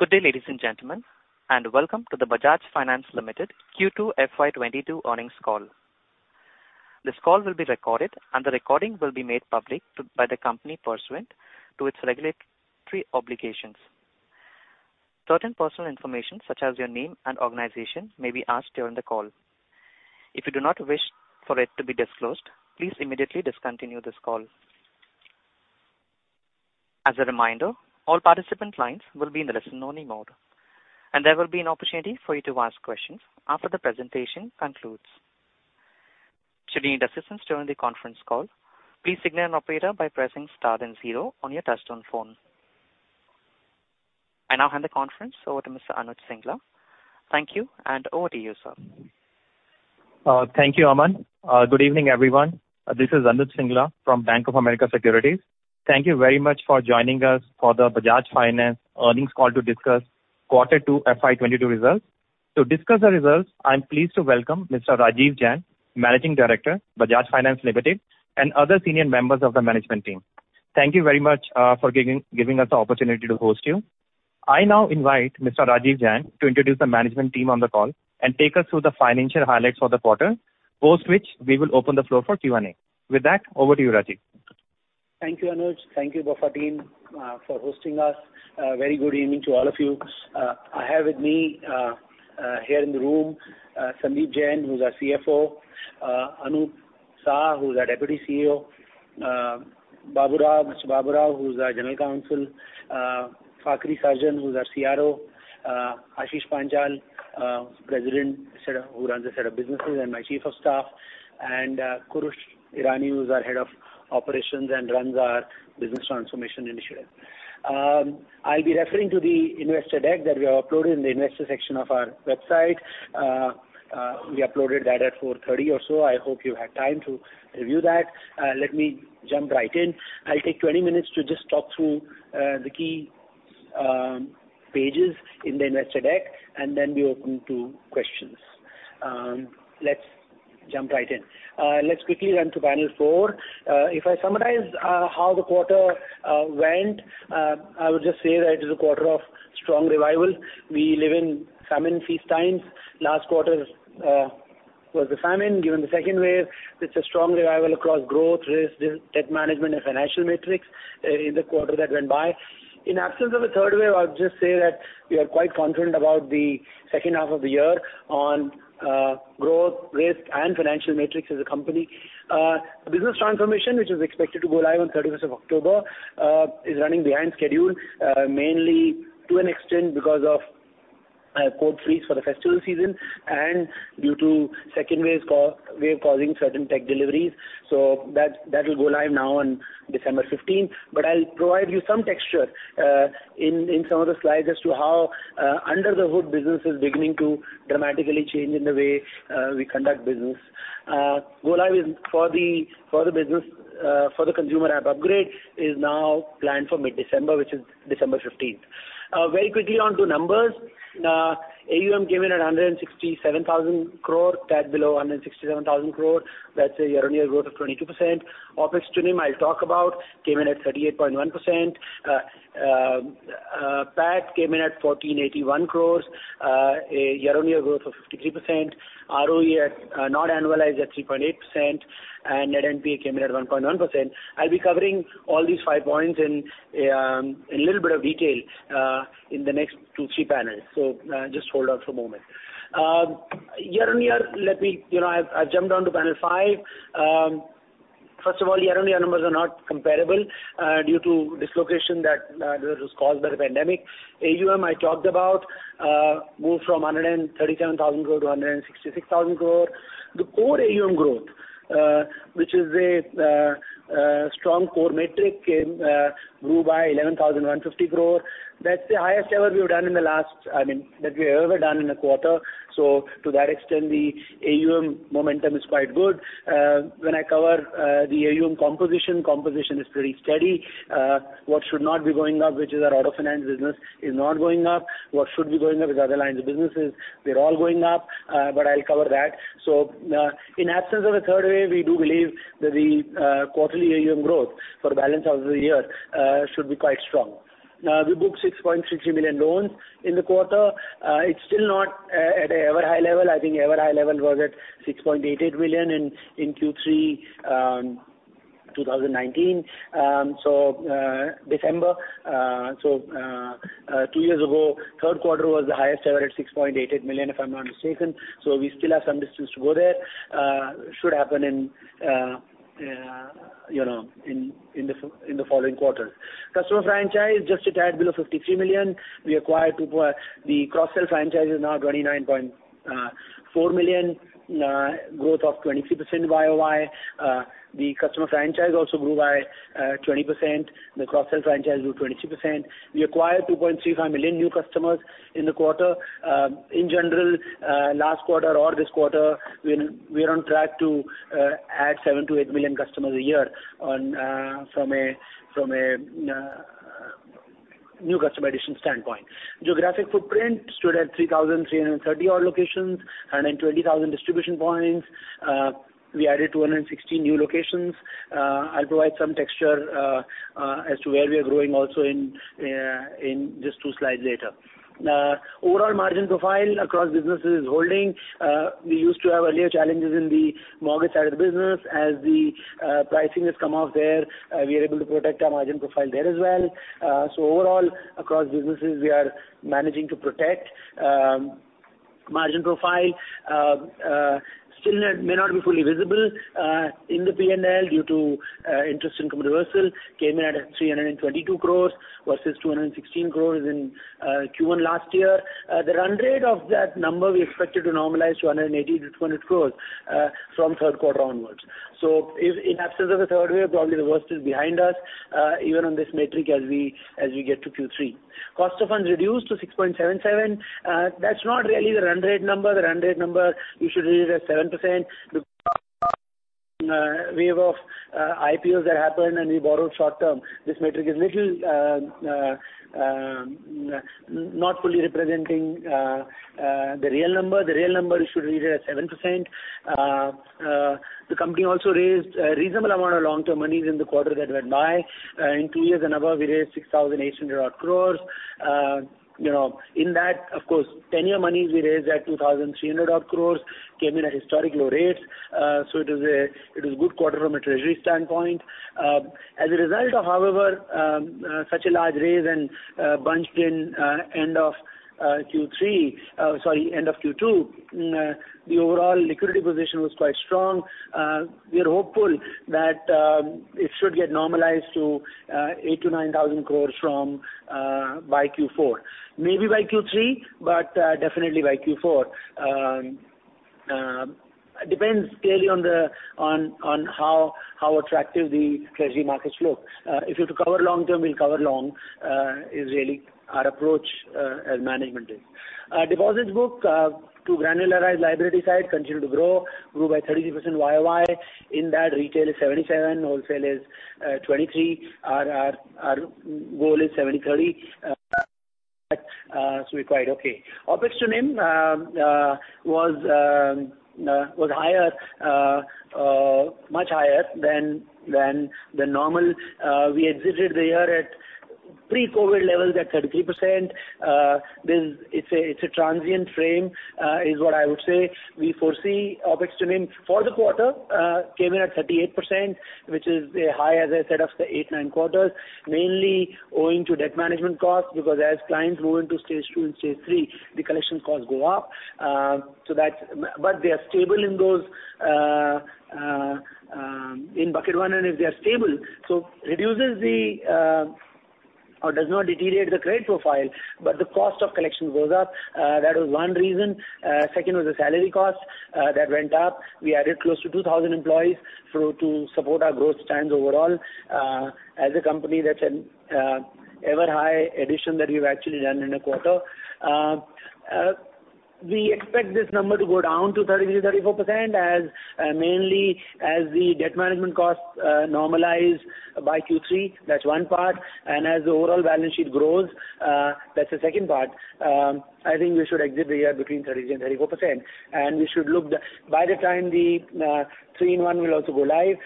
Good day, ladies and gentlemen, and welcome to the Bajaj Finance Limited Q2 FY 2022 Earnings Call. This call will be recorded and the recording will be made public by the company pursuant to its regulatory obligations. Certain personal information such as your name and organization may be asked during the call. If you do not wish for it to be disclosed, please immediately discontinue this call. As a reminder, all participant lines will be in the listen-only mode, and there will be an opportunity for you to ask questions after the presentation concludes. Should you need assistance during the conference call, please signal an operator by pressing star then zero on your touchtone phone. I now hand the conference over to Mr. Anuj Singla. Thank you and over to you, sir. Thank you, Aman. Good evening, everyone. This is Anuj Singla from Bank of America Securities. Thank you very much for joining us for the Bajaj Finance earnings call to discuss Q2 FY 2022 results. To discuss the results, I'm pleased to welcome Mr. Rajeev Jain, Managing Director, Bajaj Finance Limited and other senior members of the management team. Thank you very much for giving us the opportunity to host you. I now invite Mr. Rajeev Jain to introduce the management team on the call and take us through the financial highlights for the quarter. Post which, we will open the floor for Q&A. With that, over to you, Rajeev. Thank you, Anuj. Thank you, Bank of America team, for hosting us. Very good evening to all of you. I have with me here in the room Sandeep Jain, who's our CFO, Anup Saha, who's our Deputy CEO, Babu Rao, who's our General Counsel, Fakhari Sarjan, who's our CRO, Ashish Panchal, President, set of, who runs a set of businesses and my Chief of Staff, and Kurush Irani, who's our Head of Operations and runs our business transformation initiative. I'll be referring to the investor deck that we have uploaded in the investor section of our website. We uploaded that at 4:30 or so. I hope you had time to review that. Let me jump right in. I'll take 20 minutes to just talk through the key pages in the investor deck, and then be open to questions. Let's jump right in. Let's quickly run through panel four. If I summarize how the quarter went, I would just say that it is a quarter of strong revival. We live in feast or famine times. Last quarter was the famine given the second wave. It's a strong revival across growth, risk, debt management and financial metrics in the quarter that went by. In absence of a third wave, I'll just say that we are quite confident about the second half of the year on growth, risk, and financial metrics as a company. Business transformation, which is expected to go live on 31st of October, is running behind schedule, mainly to an extent because of code freeze for the festival season and due to second COVID wave causing certain tech deliveries. That will go live now on December 15. I'll provide you some context in some of the slides as to how under the hood business is beginning to dramatically change in the way we conduct business. Go live is for the business for the consumer app upgrade is now planned for mid-December, which is December 15. Very quickly onto numbers. AUM came in at 167,000 crore, just below 167,000 crore. That's a year-on-year growth of 22%. OpEx to NIM, I'll talk about, came in at 38.1%. PAT came in at 1,481 crore. A year-on-year growth of 53%. ROE at, not annualized at 3.8%, and net NPA came in at 1.1%. I'll be covering all these five points in a little bit of detail in the next 2-3 panels. Just hold on for a moment. Year-on-year, I've jumped onto panel 5. First of all, year-on-year numbers are not comparable due to dislocation that was caused by the pandemic. AUM, I talked about, moved from 137,000 crore to 166,000 crore. The core AUM growth, which is a strong core metric, grew by 11,150 crore. That's the highest ever we've done in the last, I mean, that we've ever done in a quarter. To that extent, the AUM momentum is quite good. When I cover the AUM composition is pretty steady. What should not be going up, which is our auto finance business, is not going up. What should be going up is other lines of businesses. They're all going up, but I'll cover that. In absence of a third wave, we do believe that the quarterly AUM growth for the balance of the year should be quite strong. We booked 6.63 million loans in the quarter. It's still not at an ever high level. I think all-time high level was at 6.88 million in Q3 2019. December, so two years ago, Q3 was the highest ever at 6.88 million, if I'm not mistaken. We still have some distance to go there. Should happen, you know, in the following quarters. Customer franchise just a tad below 53 million. The cross-sell franchise is now 29.4 million. Growth of 23% YOY. The customer franchise also grew by 20%. The cross-sell franchise grew 22%. We acquired 2.35 million new customers in the quarter. In general, last quarter or this quarter, we're on track to add 7-8 million customers a year on from a New customer addition standpoint. Geographic footprint stood at 3,330-odd locations and in 20,000 distribution points. We added 260 new locations. I'll provide some texture as to where we are growing also in just two slides later. Overall margin profile across businesses is holding. We used to have earlier challenges in the mortgage side of the business. As the pricing has come off there, we are able to protect our margin profile there as well. Overall, across businesses, we are managing to protect margin profile. Still may not be fully visible in the P&L due to interest income reversal. Came in at 322 crore versus 216 crore in Q1 last year. The run rate of that number we expect it to normalize to 180 crore-200 crore from Q3 onwards. If in absence of a third wave, probably the worst is behind us even on this metric as we get to Q3. Cost of funds reduced to 6.77%. That's not really the run rate number. The run rate number you should read it as 7%. The wave of IPOs that happened, and we borrowed short term. This metric is little not fully representing the real number. The real number you should read it as 7%. The company also raised a reasonable amount of long-term monies in the quarter that went by. In two years and above, we raised 6,800 crore. You know, in that, of course, tenure monies we raised at 2,300 crore came in at historic low rates. So it is a good quarter from a treasury standpoint. As a result of, however, such a large raise and bunched in end of Q2, the overall liquidity position was quite strong. We are hopeful that it should get normalized to 8,000 crore-9,000 crore by Q4. Maybe by Q3, but definitely by Q4. Depends clearly on how attractive the treasury markets look. If we've to cover long term, we'll cover long, is really our approach as management is. Our deposits book to granularize liability side continued to grow by 33% YOY. In that retail is 77, wholesale is 23. Our goal is 70/30. We're quite okay. OpEx to NIM was higher, much higher than the normal. We exited the year at pre-COVID levels at 33%. This, it's a transient frame, is what I would say. We foresee OpEx to NIM for the quarter came in at 38%, which is a high, as I said, of 8-9 quarters, mainly owing to debt management costs because as clients move into stage two and stage three, the collection costs go up. They are stable in those in bucket 1 and if they are stable, it does not deteriorate the credit profile, but the cost of collections goes up. That was one reason. Second was the salary cost that went up. We added close to 2,000 employees to support our growth trends overall. As a company, that's an all-time high addition that we've actually done in a quarter. We expect this number to go down to 33%-34% mainly as the debt management costs normalize by Q3. That's one part. As the overall balance sheet grows, that's the second part. I think we should exit the year between 33% and 34%. By the time the three-in-one will also go live,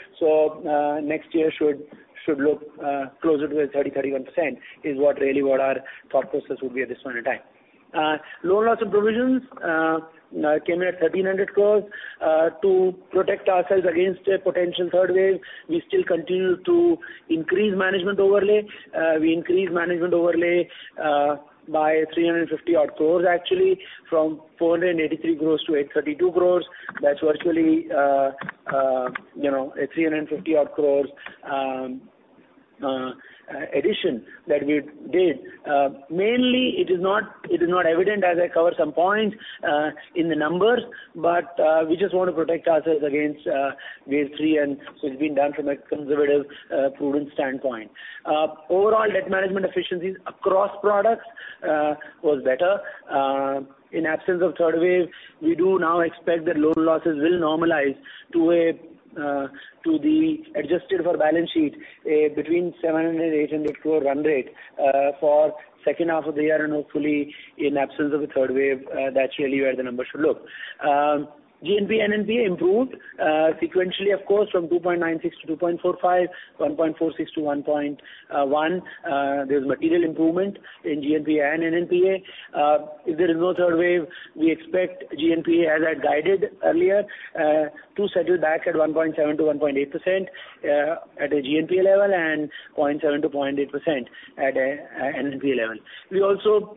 next year should look closer to a 30%-31% is what our thought process would be at this point in time. Loan loss and provisions came at 1,300 crore. To protect ourselves against a potential third wave, we still continue to increase management overlay. We increased management overlay by 350-odd crore actually, from 483 crore to 832 crore. That's virtually, you know, a 350-odd crore addition that we did. Mainly it is not evident as I cover some points in the numbers, but we just want to protect ourselves against wave three and so it's been done from a conservative prudent standpoint. Overall debt management efficiencies across products was better. In absence of third wave, we do now expect that loan losses will normalize to the adjusted for balance sheet between 700-800 crore run rate for second half of the year and hopefully in absence of a third wave, that's really where the number should look. GNPA, NNPA improved sequentially of course, from 2.96% to 2.45%, 1.46% to 1.01%. There's material improvement in GNPA and NNPA. If there is no third wave, we expect GNPA, as I guided earlier, to settle back at 1.7%-1.8% at a GNPA level and 0.7%-0.8% at a NNPA level. We also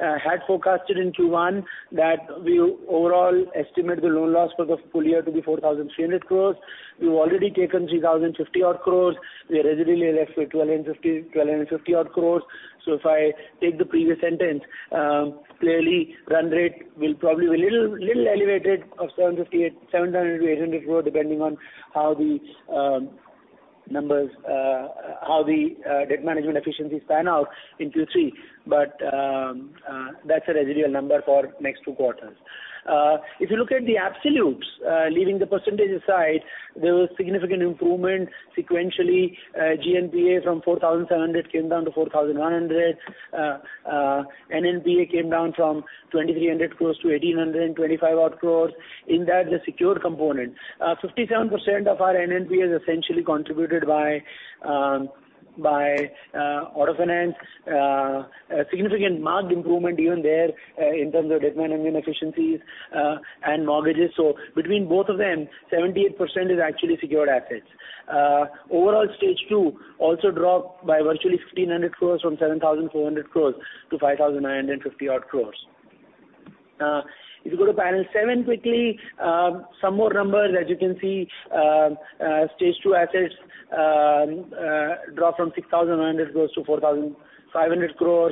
had forecasted in Q1 that we overall estimate the loan loss for the full year to be 4,300 crore. We've already taken 3,050 crore. We are residually left with 1,250 crore. If I take the previous sentence, clearly run rate will probably be a little elevated of 758 crore, 700 crore-800 crore depending on how the numbers, how the debt management efficiencies pan out in Q3. That's a residual number for next two quarters. If you look at the absolutes, leaving the percentages aside, there was significant improvement sequentially. GNPA from 4,700 crore came down to 4,100 crore. NNPA came down from 2,300 crore to 1,825 crore-odd in that the secured component. 57% of our NNPA is essentially contributed by auto finance. A significant marked improvement even there in terms of debt management efficiencies and mortgages. Between both of them, 78% is actually secured assets. Overall stage two also dropped by virtually 1,500 crore from 7,400 crore to 5,950 crore. If you go to panel seven quickly, some more numbers. As you can see, stage two assets dropped from 6,900 crore to 4,500 crore.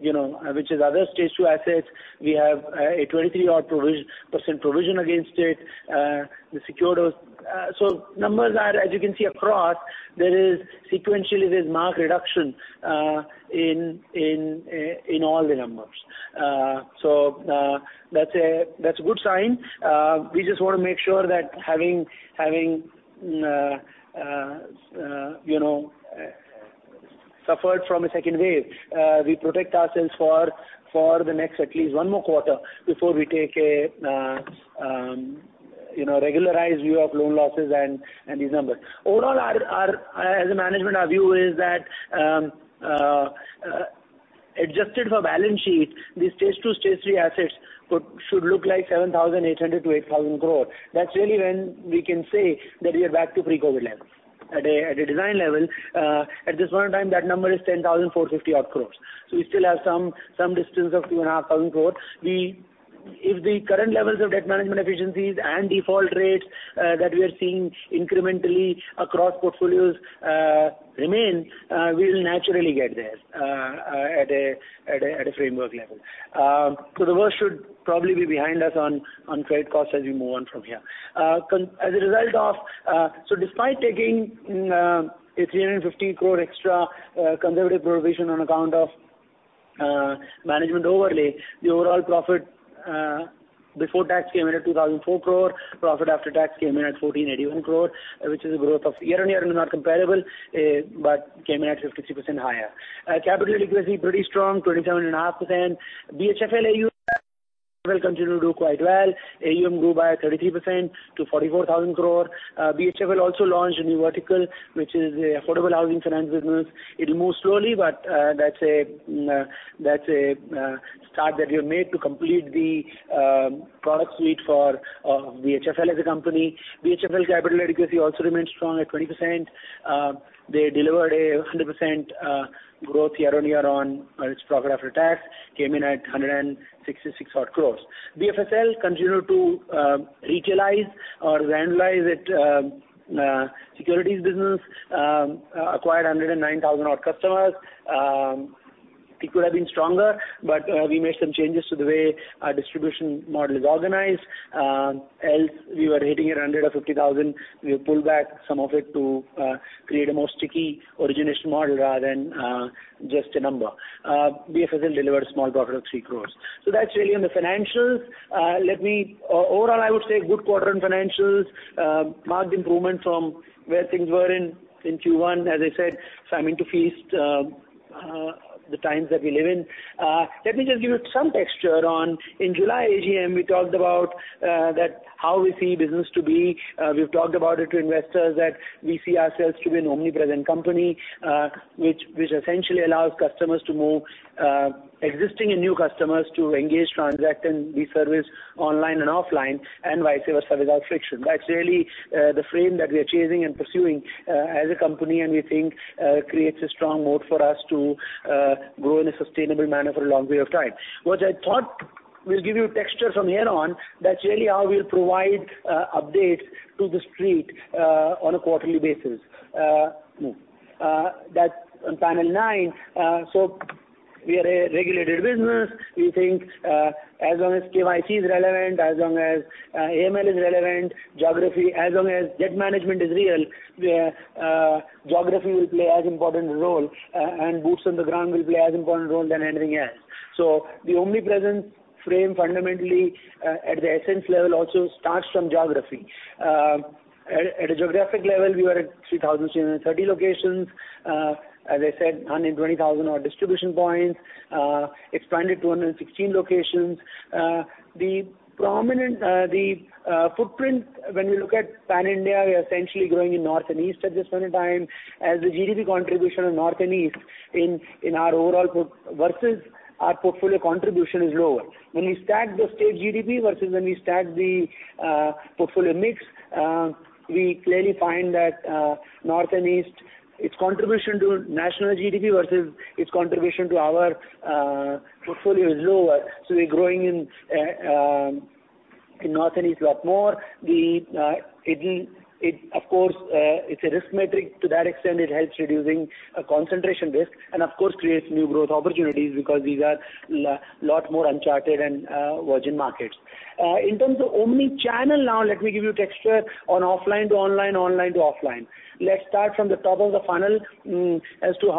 You know, which is other stage two assets. We have a 23% provision against it. Numbers are, as you can see across, there is sequentially a marked reduction in all the numbers. That's a good sign. We just wanna make sure that having suffered from a second wave, we protect ourselves for the next at least one more quarter before we take a regularized view of loan losses and these numbers. Overall, as management, our view is that adjusted for balance sheet, the Stage 2, Stage 3 assets should look like 7,800 crore-8,000 crore. That's really when we can say that we are back to pre-COVID levels. At a design level, at this point in time, that number is 10,450 crore odd. So we still have some distance of 2,500 crore. The If the current levels of debt management efficiencies and default rates that we are seeing incrementally across portfolios remain, we will naturally get there at a framework level. The worst should probably be behind us on credit costs as we move on from here. Despite taking a 350 crore extra conservative provision on account of management overlay, the overall profit before tax came in at 2,004 crore. Profit after tax came in at 1,481 crore, which is a growth year-on-year not comparable, but came in at 53% higher. Capital adequacy pretty strong, 27.5%. BHFL AUM will continue to do quite well. AUM grew by 33% to 44,000 crore. BHFL also launched a new vertical, which is an affordable housing finance business. It'll move slowly, but that's a start that we have made to complete the product suite for BHFL as a company. BHFL capital adequacy also remains strong at 20%. They delivered 100% growth year-on-year on its profit after tax, came in at 166 crore odd. BFSL continued to retailize or randomize its securities business, acquired 109,000 odd customers. It could have been stronger, but we made some changes to the way our distribution model is organized. Else we were hitting at under 50,000. We have pulled back some of it to create a more sticky origination model rather than just a number. BFSL delivered a small profit of 3 crore. That's really on the financials. Overall, I would say good quarter on financials. Marked improvement from where things were in Q1. As I said, famine to feast, the times that we live in. Let me just give you some texture on in July AGM, we talked about that how we see business to be. We've talked about it to investors that we see ourselves to be an omnipresent company, which essentially allows customers to move, existing and new customers to engage, transact, and we service online and offline and vice versa without friction. That's really the frame that we are chasing and pursuing as a company, and we think creates a strong moat for us to grow in a sustainable manner for a long way of time. What I thought will give you texture from here on, that's really how we'll provide updates to the street on a quarterly basis. That's on panel nine. We are a regulated business. We think as long as KYC is relevant, as long as AML is relevant, geography, as long as debt management is real, geography will play as important role and boots on the ground will play as important role than anything else. The omnipresent frame fundamentally at the essence level also starts from geography. At a geographic level, we are at 3,230 locations. As I said, 120,000-odd distribution points, expanded to 116 locations. The prominent footprint when we look at pan-India, we are essentially growing in North and East at this point in time. The GDP contribution of North and East in our overall portfolio versus our portfolio contribution is lower. When we stack the state GDP versus when we stack the portfolio mix, we clearly find that North and East, its contribution to national GDP versus its contribution to our portfolio is lower. We're growing in North and East a lot more. It, of course, is a risk metric. To that extent, it helps reducing a concentration risk and of course creates new growth opportunities because these are a lot more uncharted and virgin markets. In terms of omnichannel now, let me give you texture on offline to online to offline. Let's start from the top of the funnel, as to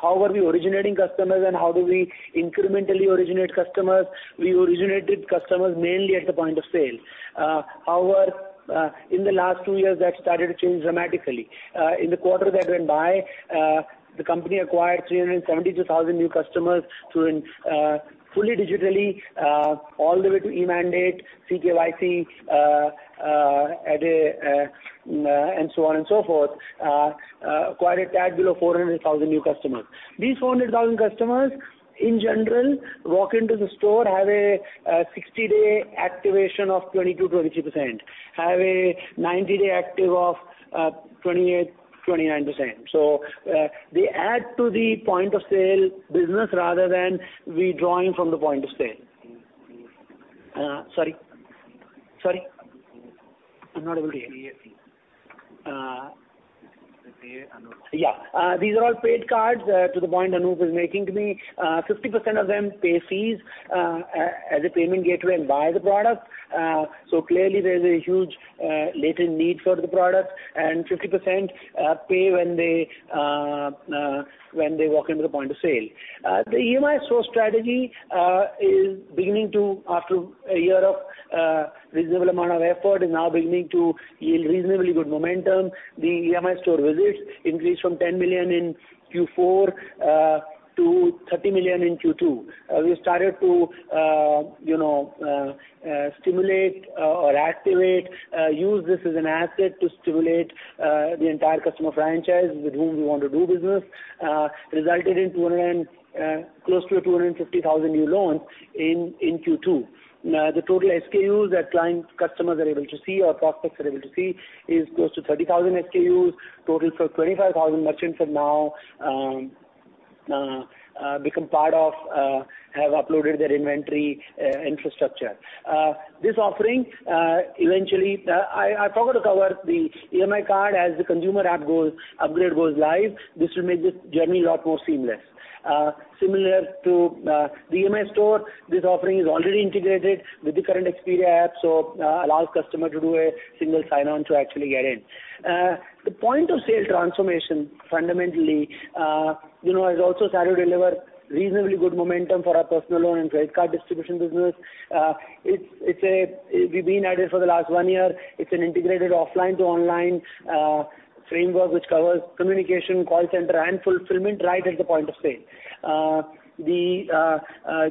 how are we originating customers and how do we incrementally originate customers. We originated customers mainly at the point of sale. However, in the last two years, that started to change dramatically. In the quarter that went by, the company acquired 372,000 new customers through fully digitally all the way to e-mandate, KYC, Aadhaar, and so on and so forth, acquired a tad below 400,000 new customers. These 400,000 customers in general walk into the store, have a 60-day activation of 20%-23%, have a 90-day active of 28-29%. They add to the point of sale business rather than withdrawing from the point of sale. Sorry? Sorry? I'm not able to hear. They pay a fee. Uh- They pay a non-refundable fee. Yeah. These are all paid cards, to the point Anup is making to me. 50% of them pay fees, as a payment gateway and buy the product. Clearly there's a huge, latent need for the product and 50% pay when they walk into the point of sale. The EMI Store strategy is beginning to after a year of reasonable amount of effort is now beginning to yield reasonably good momentum. The EMI Store visits increased from 10 million in Q4 to 30 million in Q2. We started to, you know, stimulate or activate, use this as an asset to stimulate the entire customer franchise with whom we want to do business, resulted in 200 and close to 250,000 new loans in Q2. Now, the total SKUs that client customers are able to see or prospects are able to see is close to 30,000 SKUs. Total, 25,000 merchants have now become part of, have uploaded their inventory, infrastructure. This offering, eventually, I forgot to cover the EMI card as the consumer app upgrade goes live. This will make the journey a lot more seamless. Similar to the EMI Store, this offering is already integrated with the current Bajaj Finserv App, allows customer to do a single sign-on to actually get in. The point of sale transformation fundamentally, you know, has also started to deliver reasonably good momentum for our personal loan and credit card distribution business. We've been at it for the last one year. It's an integrated offline to online framework which covers communication, call center, and fulfillment right at the point of sale. We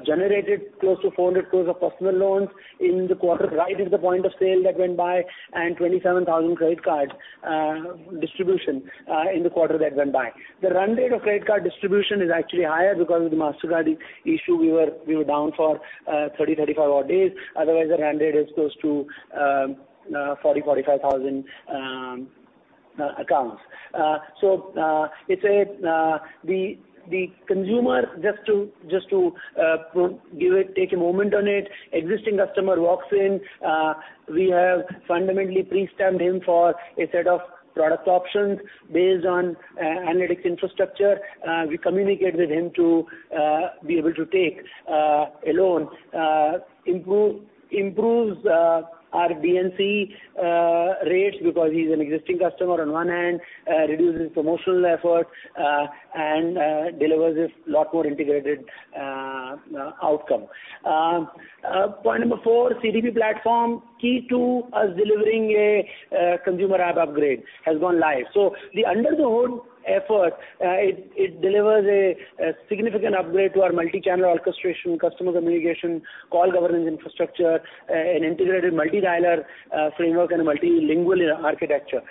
generated close to 400 crore of personal loans in the quarter right at the point of sale that went by, and 27,000 credit cards distribution in the quarter that went by. The run rate of credit card distribution is actually higher because of the Mastercard issuance. We were down for 34 days. Otherwise, the run rate is close to 45,000 accounts. It's the consumer just to give it, take a moment on it. Existing customer walks in, we have fundamentally pre-stamped him for a set of product options based on analytics infrastructure. We communicate with him to be able to take a loan, improves our D&C rates because he's an existing customer on one hand, reduces promotional efforts, and delivers a lot more integrated outcome. Point number four, CDP platform key to us delivering a consumer app upgrade has gone live. The under the hood effort delivers a significant upgrade to our multi-channel orchestration, customer communication, call governance infrastructure, an integrated multi-dialer framework, and a multilingual architecture.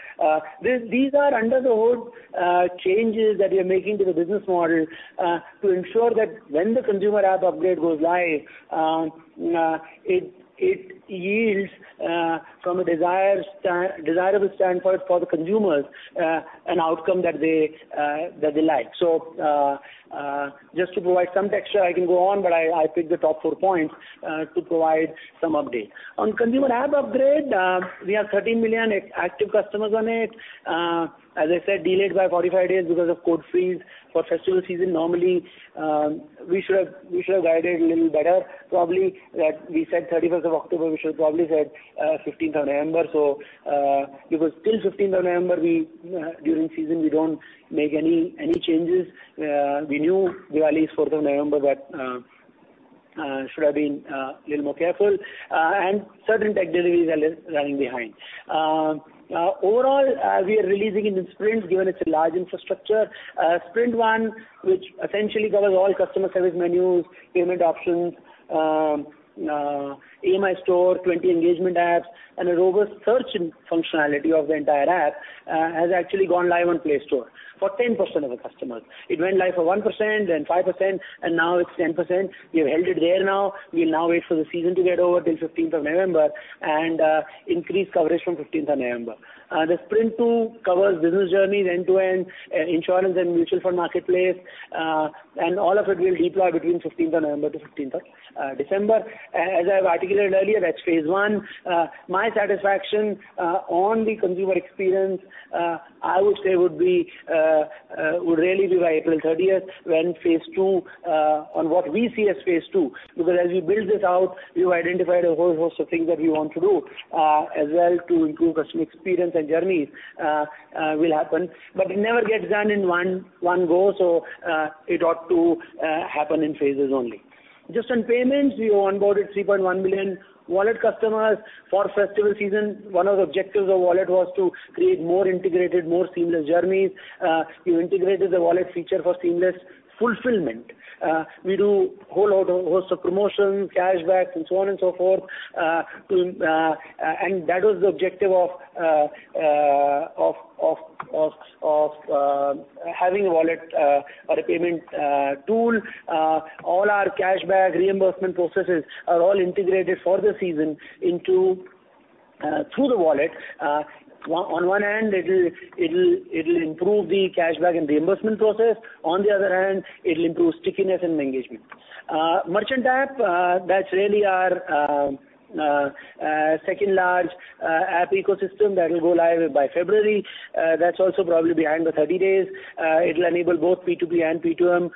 These are under the hood changes that we are making to the business model to ensure that when the consumer app upgrade goes live, it yields from a desirable standpoint for the consumers an outcome that they like. Just to provide some texture, I can go on, but I picked the top four points to provide some update. On consumer app upgrade, we have 13 million active customers on it. As I said, delayed by 45 days because of code freeze for festival season. Normally, we should have guided a little better probably that we said 31st of October, we should have probably said 15th of November. Because till 15th of November, during season, we don't make any changes. We knew Diwali is 4th of November, but should have been little more careful. Certain tech deliveries are running behind. Overall, we are releasing in sprints, given it's a large infrastructure. Sprint one, which essentially covers all customer service menus, payment options, EMI Store, 20 engagement apps, and a robust search and functionality of the entire app, has actually gone live on Play Store for 10% of the customers. It went live for 1% then 5%, and now it's 10%. We have held it there now. We'll now wait for the season to get over till 15th of November and increase coverage from 15th of November. The sprint two covers business journeys end-to-end, insurance and mutual fund marketplace, and all of it will deploy between 15th of November to 15th of December. As I've articulated earlier, that's phase one. My satisfaction on the consumer experience, I would say would really be by April 30th when phase two, on what we see as phase two. Because as we build this out, we've identified a whole host of things that we want to do as well to improve customer experience and journeys will happen. It never gets done in one go. It ought to happen in phases only. Just on payments, we onboarded 3.1 million wallet customers for festival season. One of the objectives of wallet was to create more integrated, more seamless journeys. We integrated the wallet feature for seamless fulfillment. We do whole lot of hosts of promotions, cashbacks and so on and so forth. To and that was the objective of having a wallet or a payment tool. All our cashback reimbursement processes are all integrated for the season into through the wallet. On one hand it'll improve the cashback and reimbursement process. On the other hand, it'll improve stickiness and engagement. Merchant app, that's really our second large app ecosystem that will go live by February. That's also probably behind the 30 days. It'll enable both B2B and B2M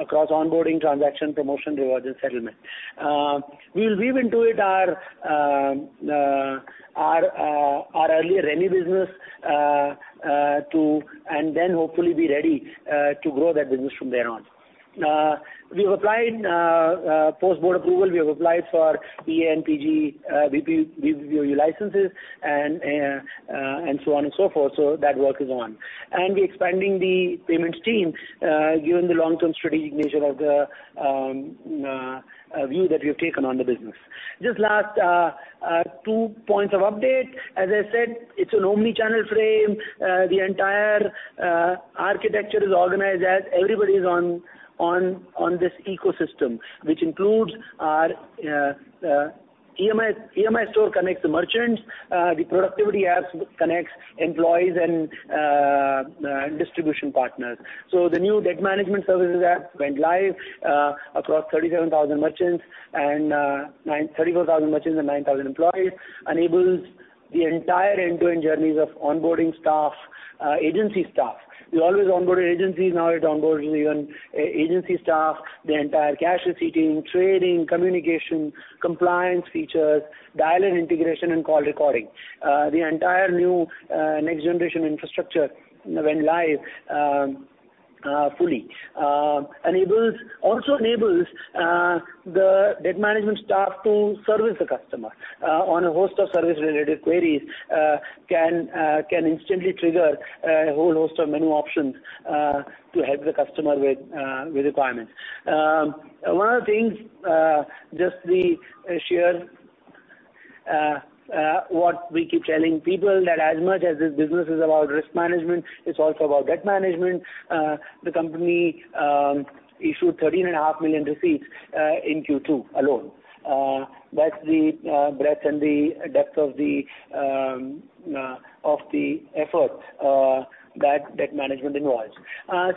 across onboarding, transaction, promotion, rewards, and settlement. We will weave into it our earlier REMI business and then hopefully be ready to grow that business from there on. Post board approval, we've applied for PPI, BBPOU licenses and so on and so forth. That work is on. We're expanding the payments team given the long-term strategic nature of the view that we've taken on the business. Just last 2 points of update. As I said, it's an omni-channel frame. The entire architecture is organized as everybody is on this ecosystem, which includes our EMI Store connects the merchants, the productivity apps connects employees and distribution partners. The new debt management services app went live across 34 merchants and 9,000 employees, enables the entire end-to-end journeys of onboarding staff, agency staff. We always onboarded agencies, now it onboards even agency staff, the entire cash receipting, trading, communication, compliance features, dial-in integration and call recording. The entire new next generation infrastructure went live fully. Also enables the debt management staff to service the customer on a host of service-related queries, can instantly trigger a whole host of menu options to help the customer with requirements. One of the things, just to share what we keep telling people that as much as this business is about risk management, it's also about debt management. The company issued 13.5 million receipts in Q2 alone. That's the breadth and the depth of the effort that debt management involves.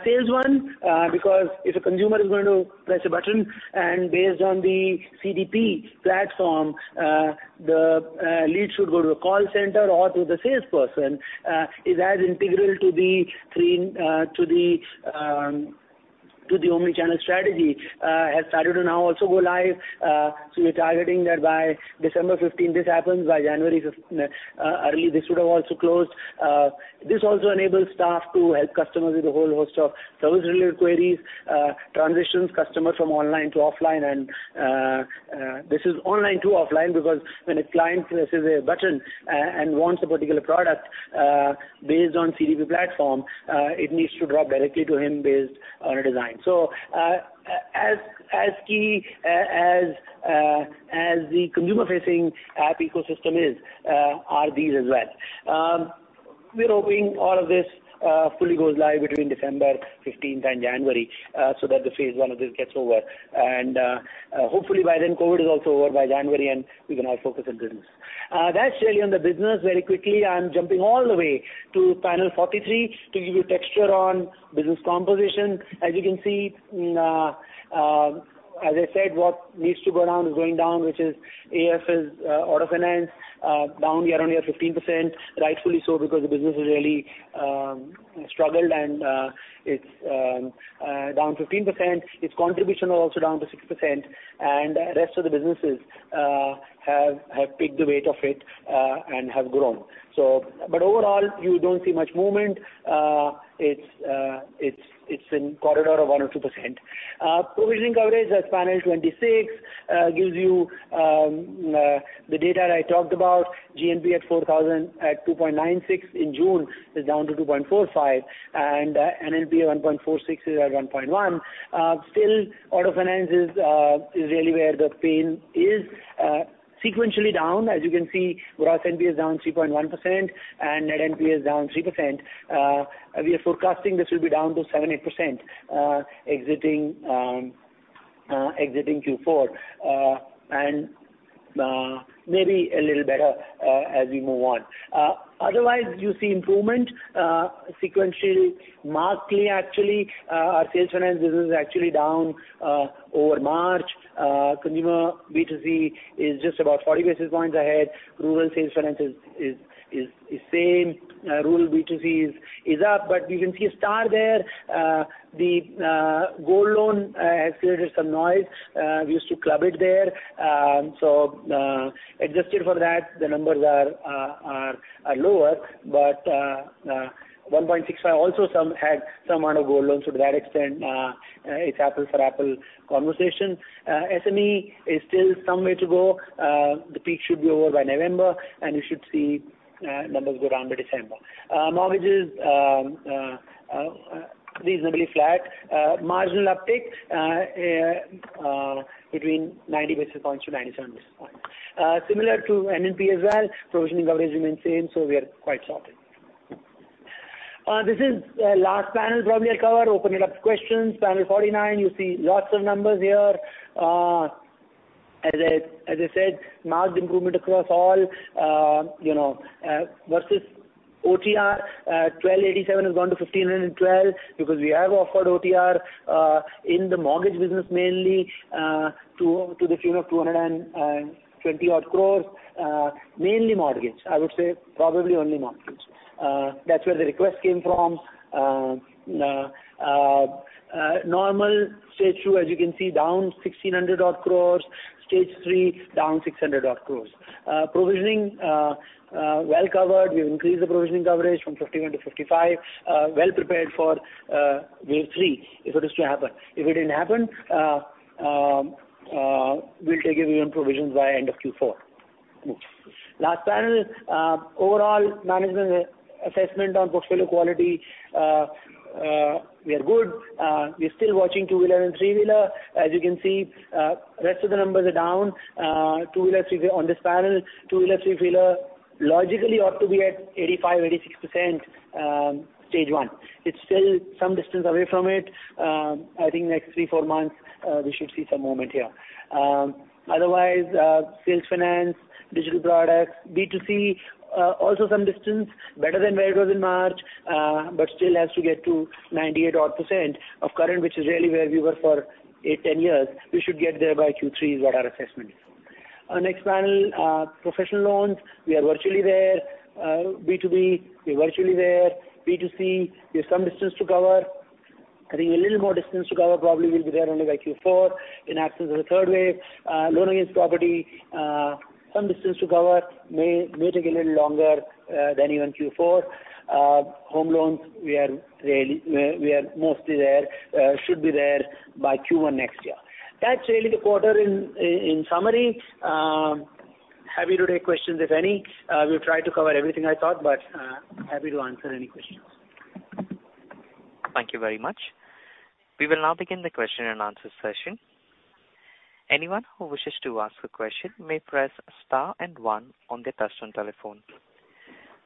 Sales one, because if a consumer is going to press a button and based on the CDP platform, the lead should go to a call center or to the salesperson, is as integral to the omni-channel strategy, has started to now also go live. We are targeting that by December 15 this happens, by January 5 early this should have also closed. This also enables staff to help customers with a whole host of service-related queries, transitions customers from online to offline. This is online to offline because when a client presses a button and wants a particular product, based on CDP platform, it needs to drop directly to him based on a design. As key as the consumer-facing app ecosystem is, are these as well. We're hoping all of this fully goes live between December fifteenth and January, so that the phase one of this gets over. Hopefully by then COVID is also over by January, and we can all focus on business. That's really on the business very quickly. I'm jumping all the way to panel 43 to give you texture on business composition. As you can see, as I said, what needs to go down is going down, which is AFS, Auto Finance, down year-on-year 15%, rightfully so because the business has really struggled and it's down 15%. Its contribution is also down to 6%, and the rest of the businesses have picked the weight of it and have grown. Overall, you don't see much movement. It's in corridor of 1 or 2%. Provisioning coverage at 126% gives you the data that I talked about. GNPA at 2.96 in June is down to 2.45, and NNPA 1.46 is at 1.1. Still auto finance is really where the pain is. Sequentially down, as you can see, gross NPA is down 3.1% and net NPA is down 3%. We are forecasting this will be down to 7-8%, exiting Q4. Maybe a little better as we move on. Otherwise you see improvement sequentially, markedly actually. Our sales finance business is actually down over March. Consumer B2C is just about 40 basis points ahead. Rural sales finance is same. Rural B2C is up. You can see a star there. The Gold Loan has created some noise. We used to club it there. Adjusted for that, the numbers are lower. 1.65 also had some amount of Gold Loans. To that extent, it's apples for apples conversation. SME is still some way to go. The peak should be over by November, and you should see numbers go down by December. Mortgages, reasonably flat. Marginal uptick between 90 basis points to 97 basis points. Similar to NNPA, provisioning coverage remains same, so we are quite sorted. This is the last panel probably I'll cover. Open it up to questions. Panel 49, you see lots of numbers here. As I said, marked improvement across all, you know. Versus OTR, 1,287 has gone to 1,512 because we have offered OTR in the mortgage business mainly, to the tune of 220 odd crore, mainly mortgage. I would say probably only mortgage. That's where the request came from. Normal stage two, as you can see, down 1,600 odd crores. Stage three, down 600 odd crores. Provisioning, well covered. We've increased the provisioning coverage from 51% to 55%. Well prepared for wave three, if it is to happen. If it didn't happen, we'll take a view on provisions by end of Q4. Last panel, overall management assessment on portfolio quality. We are good. We're still watching two-wheeler and three-wheeler. As you can see, rest of the numbers are down. On this panel, two-wheeler, three-wheeler logically ought to be at 85%-86% stage one. It's still some distance away from it. I think next 3-4 months, we should see some movement here. Otherwise, sales finance, digital products, B2C, also some distance. Better than where it was in March, but still has to get to 98 odd percent of current, which is really where we were for 8, 10 years. We should get there by Q3 is what our assessment is. Our next panel, professional loans. We are virtually there. B2B, we're virtually there. B2C, we have some distance to cover. I think a little more distance to cover, probably we'll be there only by Q4 in absence of a third wave. Loan against property, some distance to cover. May take a little longer than even Q4. Home loans, we are mostly there. Should be there by Q1 next year. That's really the quarter in summary. Happy to take questions, if any. We've tried to cover everything I thought, but happy to answer any questions. Thank you very much. We will now begin the question and answer session. Anyone who wishes to ask a question may press star and one on their touch-tone telephone.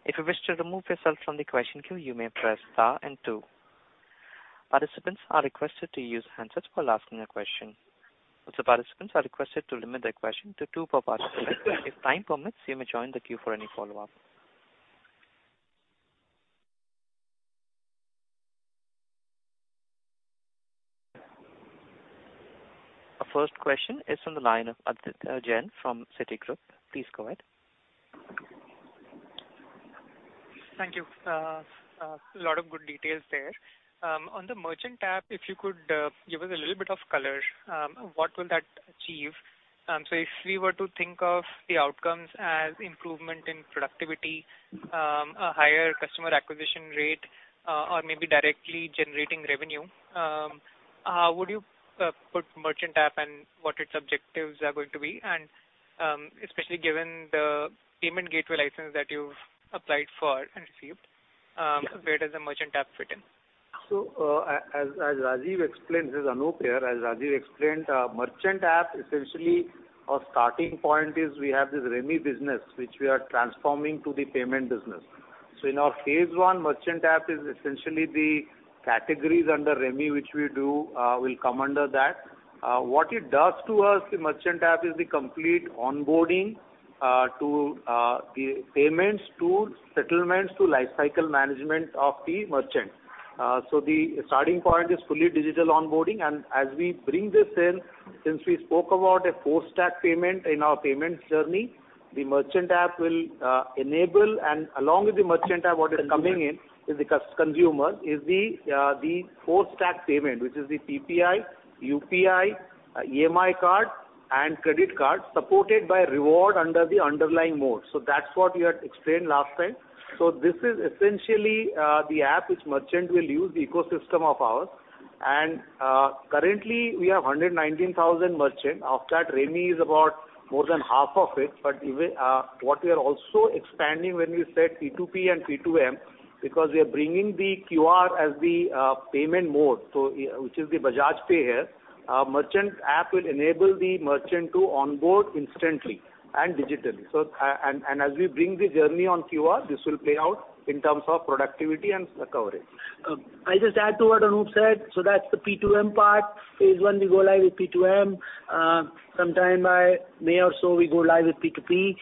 If you wish to remove yourself from the question queue, you may press star and two. Participants are requested to use handsets while asking a question. Also, participants are requested to limit their question to two per participant. If time permits, you may join the queue for any follow-up. Our first question is from the line of Aditya Jain from Citigroup. Please go ahead. Thank you. A lot of good details there. On the merchant app, if you could give us a little bit of color, what will that achieve? So if we were to think of the outcomes as improvement in productivity, a higher customer acquisition rate, or maybe directly generating revenue, how would you put merchant app and what its objectives are going to be? Especially given the payment gateway license that you've applied for and received, where does the merchant app fit in? Rajeev Jain explained, this is Anup Saha here. Rajeev Jain explained, merchant app essentially our starting point is we have this REMI business which we are transforming to the payment business. In our phase one, merchant app is essentially the categories under REMI which we do will come under that. What it does to us, the merchant app is the complete onboarding to the payments to settlements to lifecycle management of the merchant. The starting point is fully digital onboarding and as we bring this in, since we spoke about a four-stack payment in our payments journey, the merchant app will enable and along with the merchant app what is coming in is the consumer, is the four-stack payment which is the PPI, UPI, EMI card and credit card supported by reward under the underlying mode. That's what we had explained last time. This is essentially the app which merchant will use the ecosystem of ours. Currently we have 119,000 merchants. Of that, REMI is about more than half of it. But even what we are also expanding when we said P2P and P2M because we are bringing the QR as the payment mode, which is the Bajaj Pay here. Merchant app will enable the merchant to onboard instantly and digitally. And as we bring the journey on QR, this will play out in terms of productivity and coverage. I'll just add to what Anup Saha said. That's the P2M part. Phase one we go live with P2M. Sometime by May or so we go live with P2P.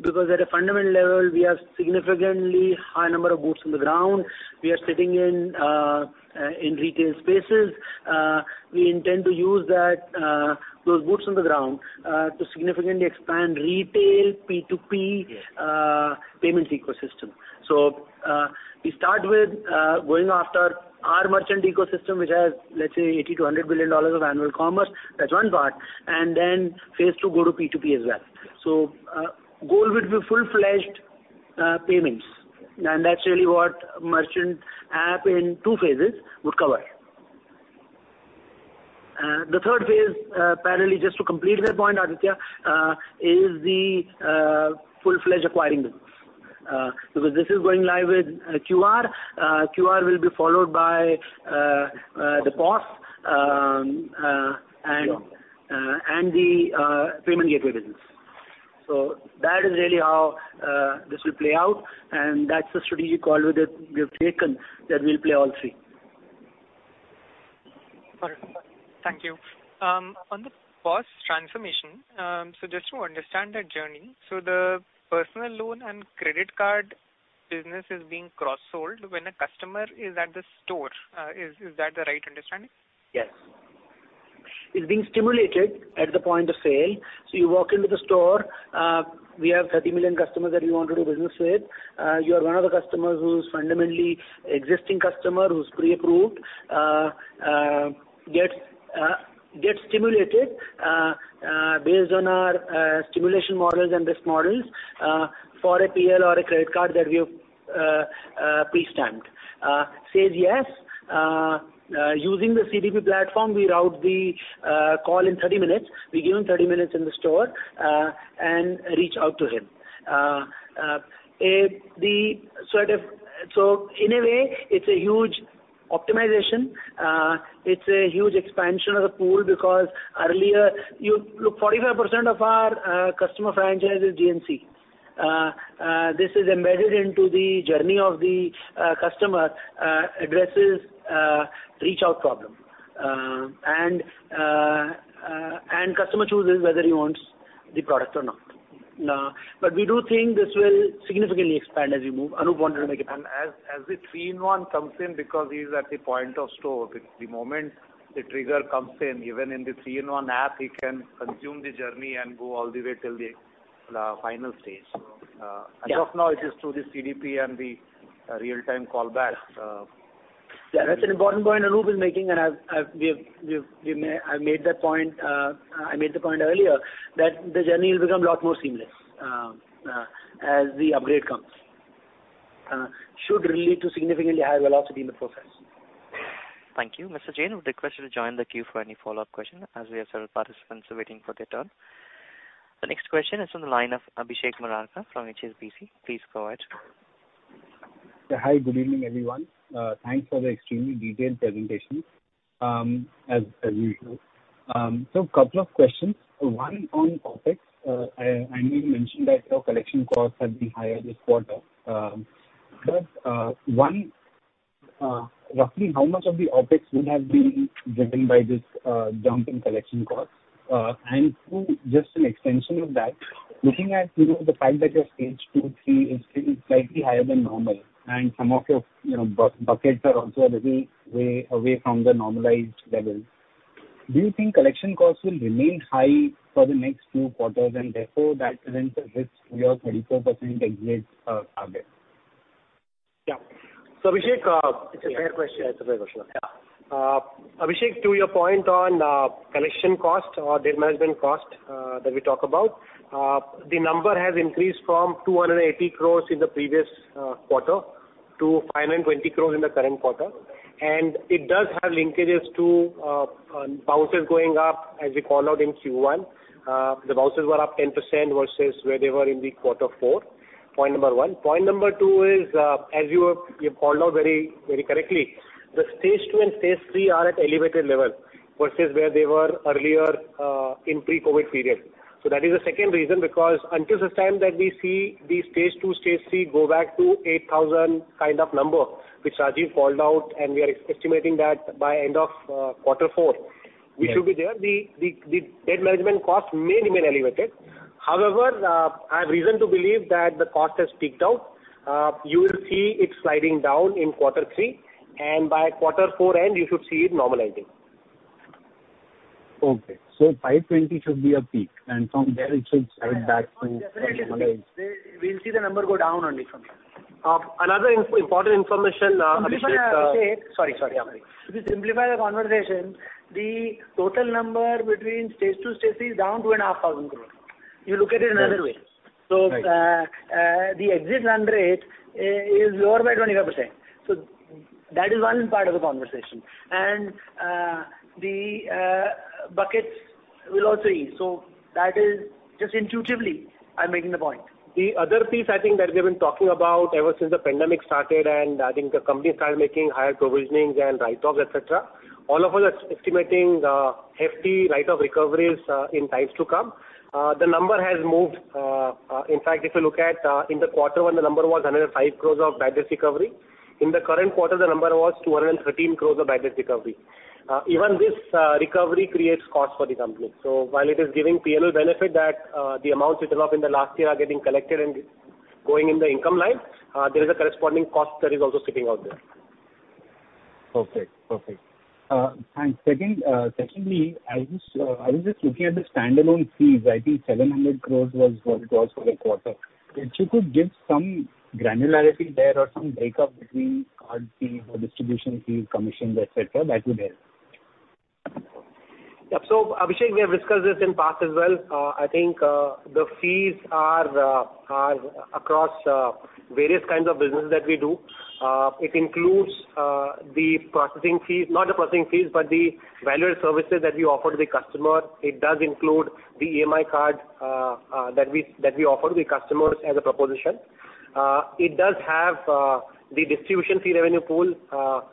Because at a fundamental level, we have significantly high number of boots on the ground. We are sitting in retail spaces. We intend to use those boots on the ground to significantly expand retail P2P payments ecosystem. We start with going after our merchant ecosystem, which has, let's say, $80 billion-$100 billion of annual commerce. That's one part. Then phase two go to P2P as well. Goal would be full-fledged payments. That's really what merchant app in two phases would cover. The third phase parallelly just to complete that point, Aditya, is the full-fledged acquiring business. Because this is going live with QR. QR will be followed by the POS and the payment gateway business. That is really how this will play out, and that's the strategic call that we have taken, that we'll play all three. Perfect. Thank you. On the POS transformation, just to understand that journey. The personal loan and credit card business is being cross-sold when a customer is at the store. Is that the right understanding? Yes. It's being stimulated at the point of sale. You walk into the store, we have 30 million customers that we want to do business with. You are one of the customers who's fundamentally existing customer who's pre-approved, gets stimulated based on our stimulation models and risk models for a PL or a credit card that we have pre-stamped. Says yes. Using the CDP platform, we route the loan in 30 minutes. We give him 30 minutes in the store and reach out to him. In a way, it's a huge optimization. It's a huge expansion of the pool because earlier, look, 45% of our customer franchise is GNC. This is embedded into the journey of the customer addresses reach out problem. Customer chooses whether he wants the product or not. We do think this will significantly expand as we move. Anup wanted to make a point. As the three-in-one comes in because he's at the point of store, the moment the trigger comes in, even in the three-in-one app, he can consume the journey and go all the way till the final stage. Yeah. As of now, it is through the CDP and the real-time callback. Yeah. That's an important point Anup is making. I've made that point, I made the point earlier that the journey will become a lot more seamless as the upgrade comes. Should lead to significantly higher velocity in the process. Thank you. Mr. Jain would request you to join the queue for any follow-up question as we have several participants waiting for their turn. The next question is on the line of Abhishek Murarka from HSBC. Please go ahead. Hi, good evening, everyone. Thanks for the extremely detailed presentation, as usual. Couple of questions. One on OpEx. Rajeev mentioned that your collection costs have been higher this quarter. First, roughly how much of the OpEx would have been driven by this jump in collection costs? Two, just an extension of that, looking at, you know, the fact that your stage two, three is still slightly higher than normal and some of your, you know, buckets are also a little way away from the normalized levels. Do you think collection costs will remain high for the next few quarters and therefore that presents a risk to your 24% exit target? It's a fair question. Abhishek, to your point on collection cost or debt management cost that we talk about, the number has increased from 280 crores in the previous quarter to 520 crores in the current quarter. It does have linkages to bounces going up as we called out in Q1. The bounces were up 10% versus where they were in quarter four, point number one. Point number two is, as you have called out very correctly, the stage two and stage three are at elevated level versus where they were earlier in pre-COVID period. That is the second reason, because until the time that we see the stage two, stage three go back to 8,000 kind of number, which Rajeev called out, and we are estimating that by end of quarter four. Yeah. We should be there. The debt management cost may remain elevated. However, I have reason to believe that the cost has peaked out. You will see it sliding down in quarter three, and by quarter four end, you should see it normalizing. Okay. 520 should be a peak, and from there it should head back to normalize. Definitely. We'll see the number go down only from here. Another important information, Abhishek, sorry. To simplify the conversation, the total number between stage two, stage three is down to 1,500 crores. You look at it another way. Right. The exit run rate is lower by 25%. That is one part of the conversation. The buckets will also ease. That is just intuitively I'm making the point. The other piece I think that we've been talking about ever since the pandemic started, and I think the company started making higher provisionings and write-offs, et cetera, all of us are estimating hefty write-off recoveries in times to come. The number has moved. In fact, if you look at in the quarter when the number was 105 crores of bad debt recovery. In the current quarter, the number was 213 crores of bad debt recovery. Even this recovery creates cost for the company. While it is giving P&L benefit that the amounts written off in the last year are getting collected and going in the income line, there is a corresponding cost that is also sitting out there. Perfect. Second, secondly, I was just looking at the standalone fees. I think 700 crore was what it was for the quarter. If you could give some granularity there or some breakup between card fees or distribution fees, commissions, et cetera, that would help. Yeah. Abhishek, we have discussed this in past as well. I think the fees are across various kinds of business that we do. It includes the valued services that we offer to the customer. It does include the EMI card that we offer to the customers as a proposition. It does have the distribution fee revenue pool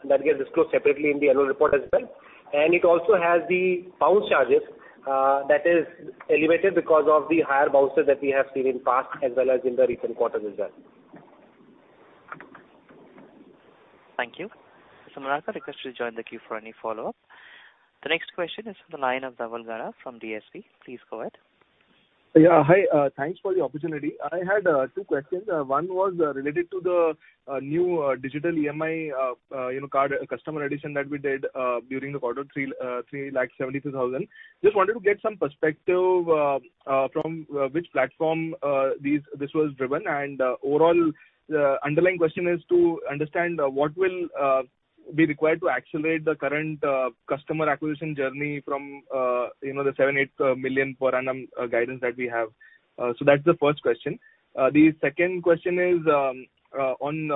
that gets disclosed separately in the annual report as well. It also has the bounce charges that is elevated because of the higher bounces that we have seen in past as well as in the recent quarter as well. Thank you. Murarka, I request you to join the queue for any follow-up. The next question is from the line of Dhaval Gada from DSP. Please go ahead. Yeah. Hi, thanks for the opportunity. I had two questions. One was related to the new digital EMI card customer addition that we did during the quarter, 3 lakh 72 thousand. Just wanted to get some perspective from which platform this was driven. Overall, underlying question is to understand what will be required to accelerate the current customer acquisition journey from the 7-8 million per annum guidance that we have. That's the first question. The second question is on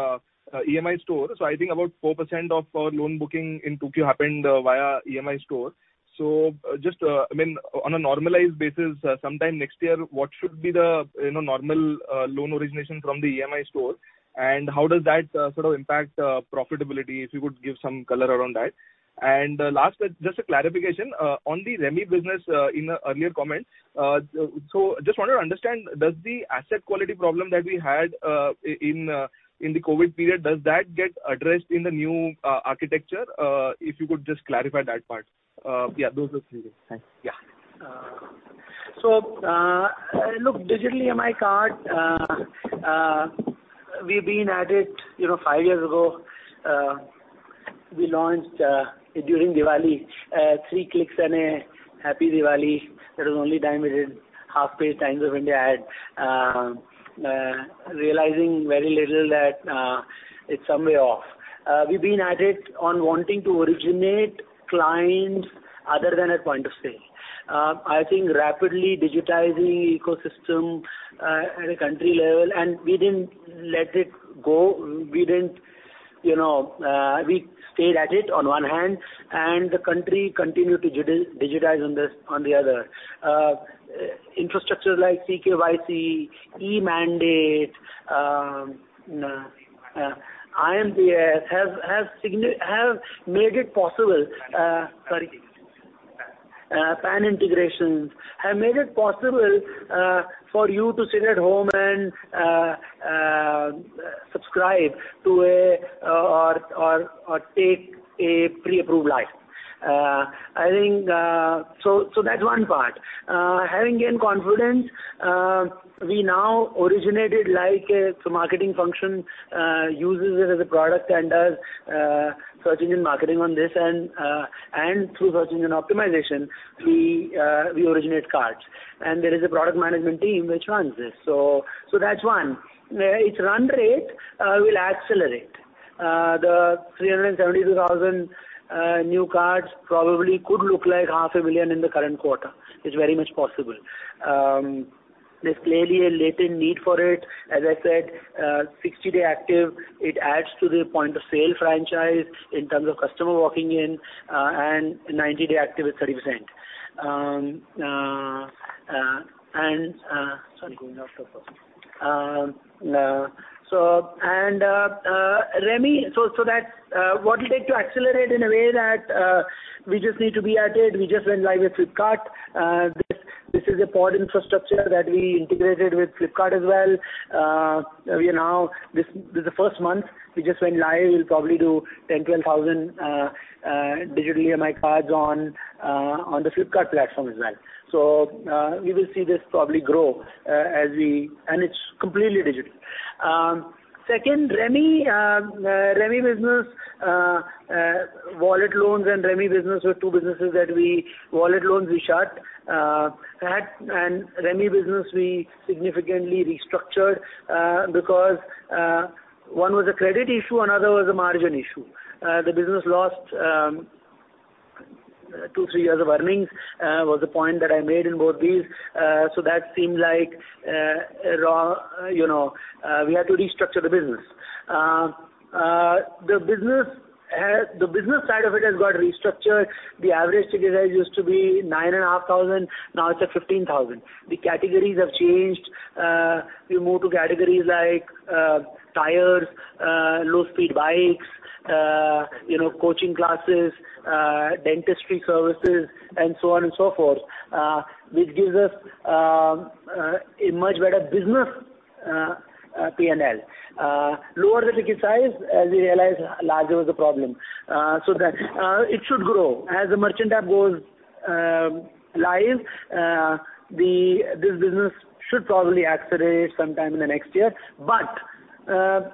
EMI Store. I think about 4% of our loan booking in 2Q happened via EMI Store. Just, I mean, on a normalized basis, sometime next year, what should be the, you know, normal loan origination from the EMI Store? How does that sort of impact profitability? If you could give some color around that. Last, just a clarification on the REMI business in the earlier comments. Just wanted to understand, does the asset quality problem that we had in the COVID period, does that get addressed in the new architecture? If you could just clarify that part. Yeah, those are three things. Thanks. Yeah. Look, digital EMI card, we've been at it, you know, five years ago, we launched during Diwali, three clicks and a happy Diwali. That was the only time we did half-page Times of India ad, realizing very little that it's some way off. We've been at it on wanting to originate clients other than at point of sale. I think rapidly digitizing ecosystem at a country level, and we didn't let it go. We didn't, you know, we stayed at it on one hand, and the country continued to fully digitize on this, on the other. Infrastructure like CKYC, eMandate, PAN integrations have made it possible for you to sit at home and subscribe to a or take a pre-approved loan. I think that's one part. Having gained confidence, we now originate. Marketing function uses it as a product and does search engine marketing on this and through search engine optimization, we originate cards. There is a product management team which runs this. That's one. Its run rate will accelerate. The 372,000 new cards probably could look like 500,000 in the current quarter. It's very much possible. There's clearly a latent need for it. As I said, 60-day active, it adds to the point of sale franchise in terms of customer walking in, and 90-day active is 30%. REMI. That's what it takes to accelerate in a way that we just need to be at it. We just went live with Flipkart. This is a POS infrastructure that we integrated with Flipkart as well. This is the first month we just went live. We'll probably do 10-12 thousand digital EMI cards on the Flipkart platform as well. We will see this probably grow as we and it's completely digital. Second, REMI business, wallet loans and REMI business were two businesses that we... Wallet loans, we shut and REMI business, we significantly restructured because one was a credit issue, another was a margin issue. The business lost two to three years of earnings, was the point that I made in both these. That seemed like you know we had to restructure the business. The business side of it has got restructured. The average ticket size used to be 9,500, now it's at 15,000. The categories have changed. We moved to categories like tires, low-speed bikes, you know, coaching classes, dentistry services and so on and so forth, which gives us a much better business P&L. Lower ticket size, as we realized larger was the problem. So that it should grow. As the merchant app goes live, this business should probably accelerate sometime in the next year.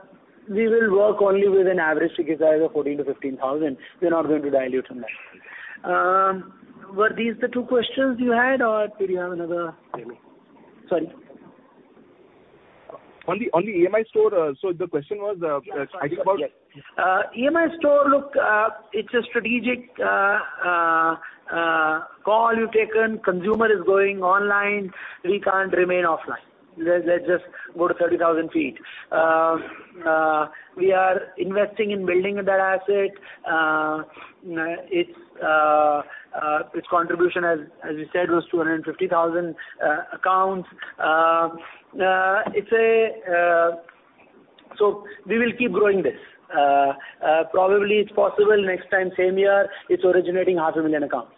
We will work only with an average ticket size of 14 thousand-15 thousand. We're not going to dilute from that. Were these the two questions you had, or did you have another? Sorry. On the EMI Store, the question was writing about- EMI Store, look, it's a strategic call we've taken. Consumer is going online. We can't remain offline. Let's just go to 30,000 feet. We are investing in building that asset. Its contribution, as you said, was 250,000 accounts. We will keep growing this. Probably it's possible next time, same year, it's originating 500,000 accounts.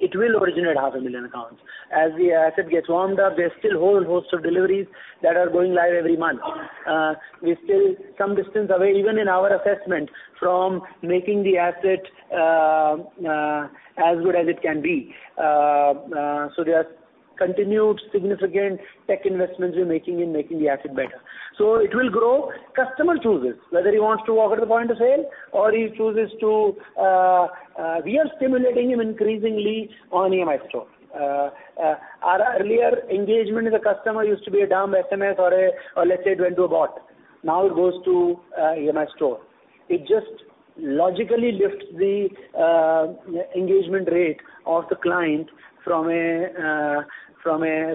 It will originate 500,000 accounts. As the asset gets warmed up, there's still whole host of deliveries that are going live every month. We're still some distance away, even in our assessment, from making the asset as good as it can be. There are continued significant tech investments we're making in making the asset better. It will grow. Customer chooses whether he wants to walk at the point of sale or he chooses to. We are stimulating him increasingly on EMI Store. Our earlier engagement with the customer used to be a dumb SMS or let's say it went to a bot. Now it goes to EMI Store. It just logically lifts the engagement rate of the client from a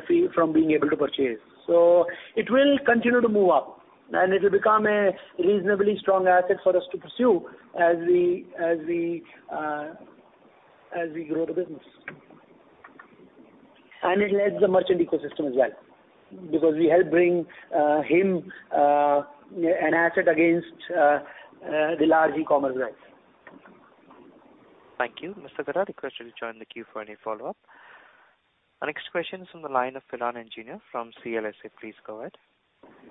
fee, from being able to purchase. It will continue to move up, and it'll become a reasonably strong asset for us to pursue as we grow the business. It helps the merchant ecosystem as well because we help bring him an asset against the large e-commerce guys. Thank you. Mr. Gada, request you to join the queue for any follow-up. Our next question is from the line of Piran Engineer from CLSA. Please go ahead.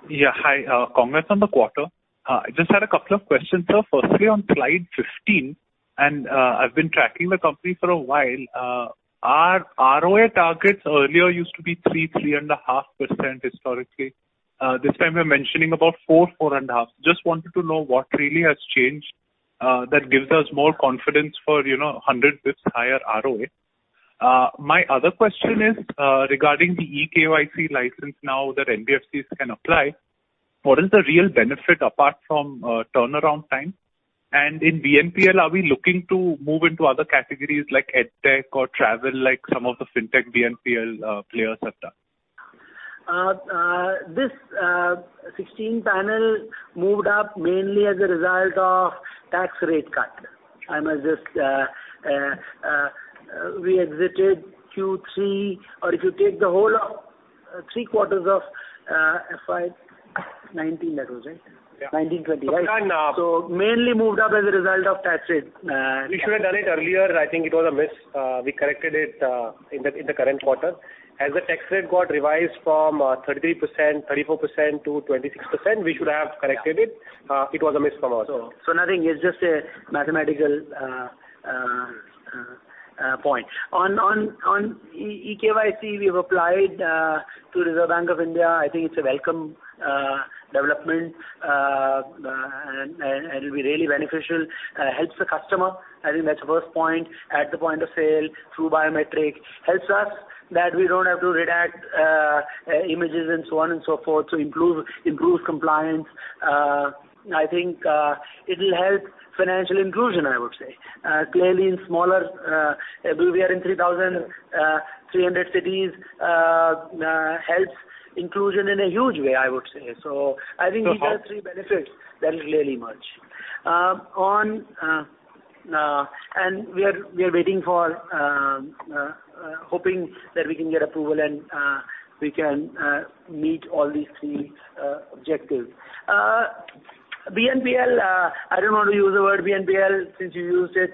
Yeah, hi. Congrats on the quarter. I just had a couple of questions, sir. Firstly, on slide 15, I've been tracking the company for a while. Our ROA targets earlier used to be 3-3.5% historically. This time we're mentioning about 4-4.5%. Just wanted to know what really has changed that gives us more confidence for, you know, 100 basis points higher ROA. My other question is regarding the eKYC license now that NBFCs can apply. What is the real benefit apart from turnaround time? And in BNPL, are we looking to move into other categories like edtech or travel like some of the fintech BNPL players have done? This 16 panel moved up mainly as a result of tax rate cut. We exited Q3, or if you take the whole of three quarters of FY 2019, that was it. Yeah. 19, 20, right. And, uh- Mainly moved up as a result of tax rate. We should have done it earlier. I think it was a miss. We corrected it in the current quarter. As the tax rate got revised from 33%-34% to 26%, we should have corrected it. It was a miss from us. Nothing. It's just a mathematical point. On eKYC, we have applied to Reserve Bank of India. I think it's a welcome development and it'll be really beneficial. Helps the customer. I think that's the first point. At the point of sale through biometric. Helps us that we don't have to redact images and so on and so forth, so improves compliance. I think it'll help financial inclusion, I would say. Clearly in smaller, we are in 3,300 cities, helps inclusion in a huge way, I would say. I think these are three benefits that will clearly merge. We are hoping that we can get approval and we can meet all these three objectives. BNPL, I don't want to use the word BNPL since you used it.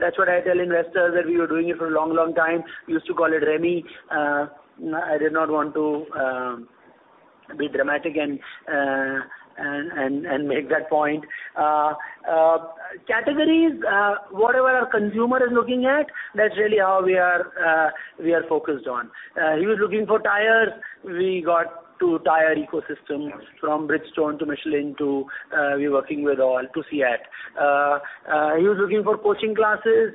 That's what I tell investors, that we were doing it for a long time. We used to call it REMI. I did not want to be dramatic and make that point. Categories, whatever our consumer is looking at, that's really all we are focused on. He was looking for tires. We got to tire ecosystems from Bridgestone to Michelin to, we're working with all, to SIHA. He was looking for coaching classes.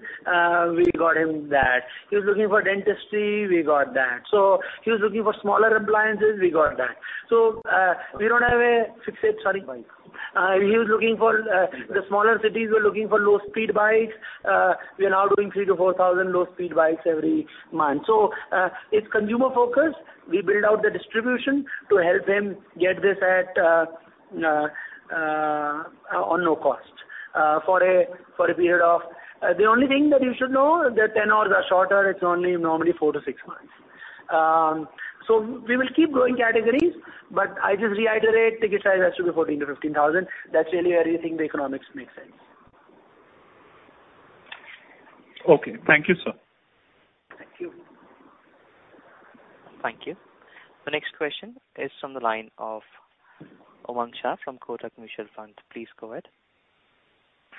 We got him that. He was looking for dentistry. We got that. He was looking for smaller appliances. We got that. We don't have a fixed set. Sorry. He was looking for the smaller cities were looking for low-speed bikes. We are now doing 3,000-4,000 low-speed bikes every month. It's consumer focused. We build out the distribution to help him get this at a low cost for a period of. The only thing that you should know that tenors are shorter. It's only normally 4-6 months. We will keep growing categories, but I just reiterate ticket size has to be 14,000-15,000. That's really where you think the economics make sense. Okay. Thank you, sir. Thank you. Thank you. The next question is from the line of Umang Shah from Kotak Mutual Fund. Please go ahead.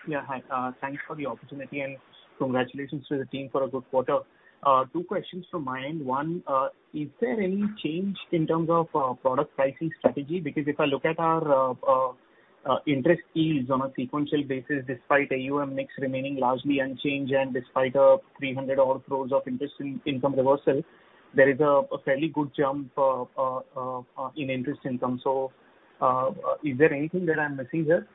Yeah, hi. Thanks for the opportunity and congratulations to the team for a good quarter. Two questions from my end. One, is there any change in terms of product pricing strategy? Because if I look at our interest income on a sequential basis despite AUM mix remaining largely unchanged and despite a 300-odd crore interest income reversal, there is a fairly good jump in interest income. Is there anything that I'm missing here?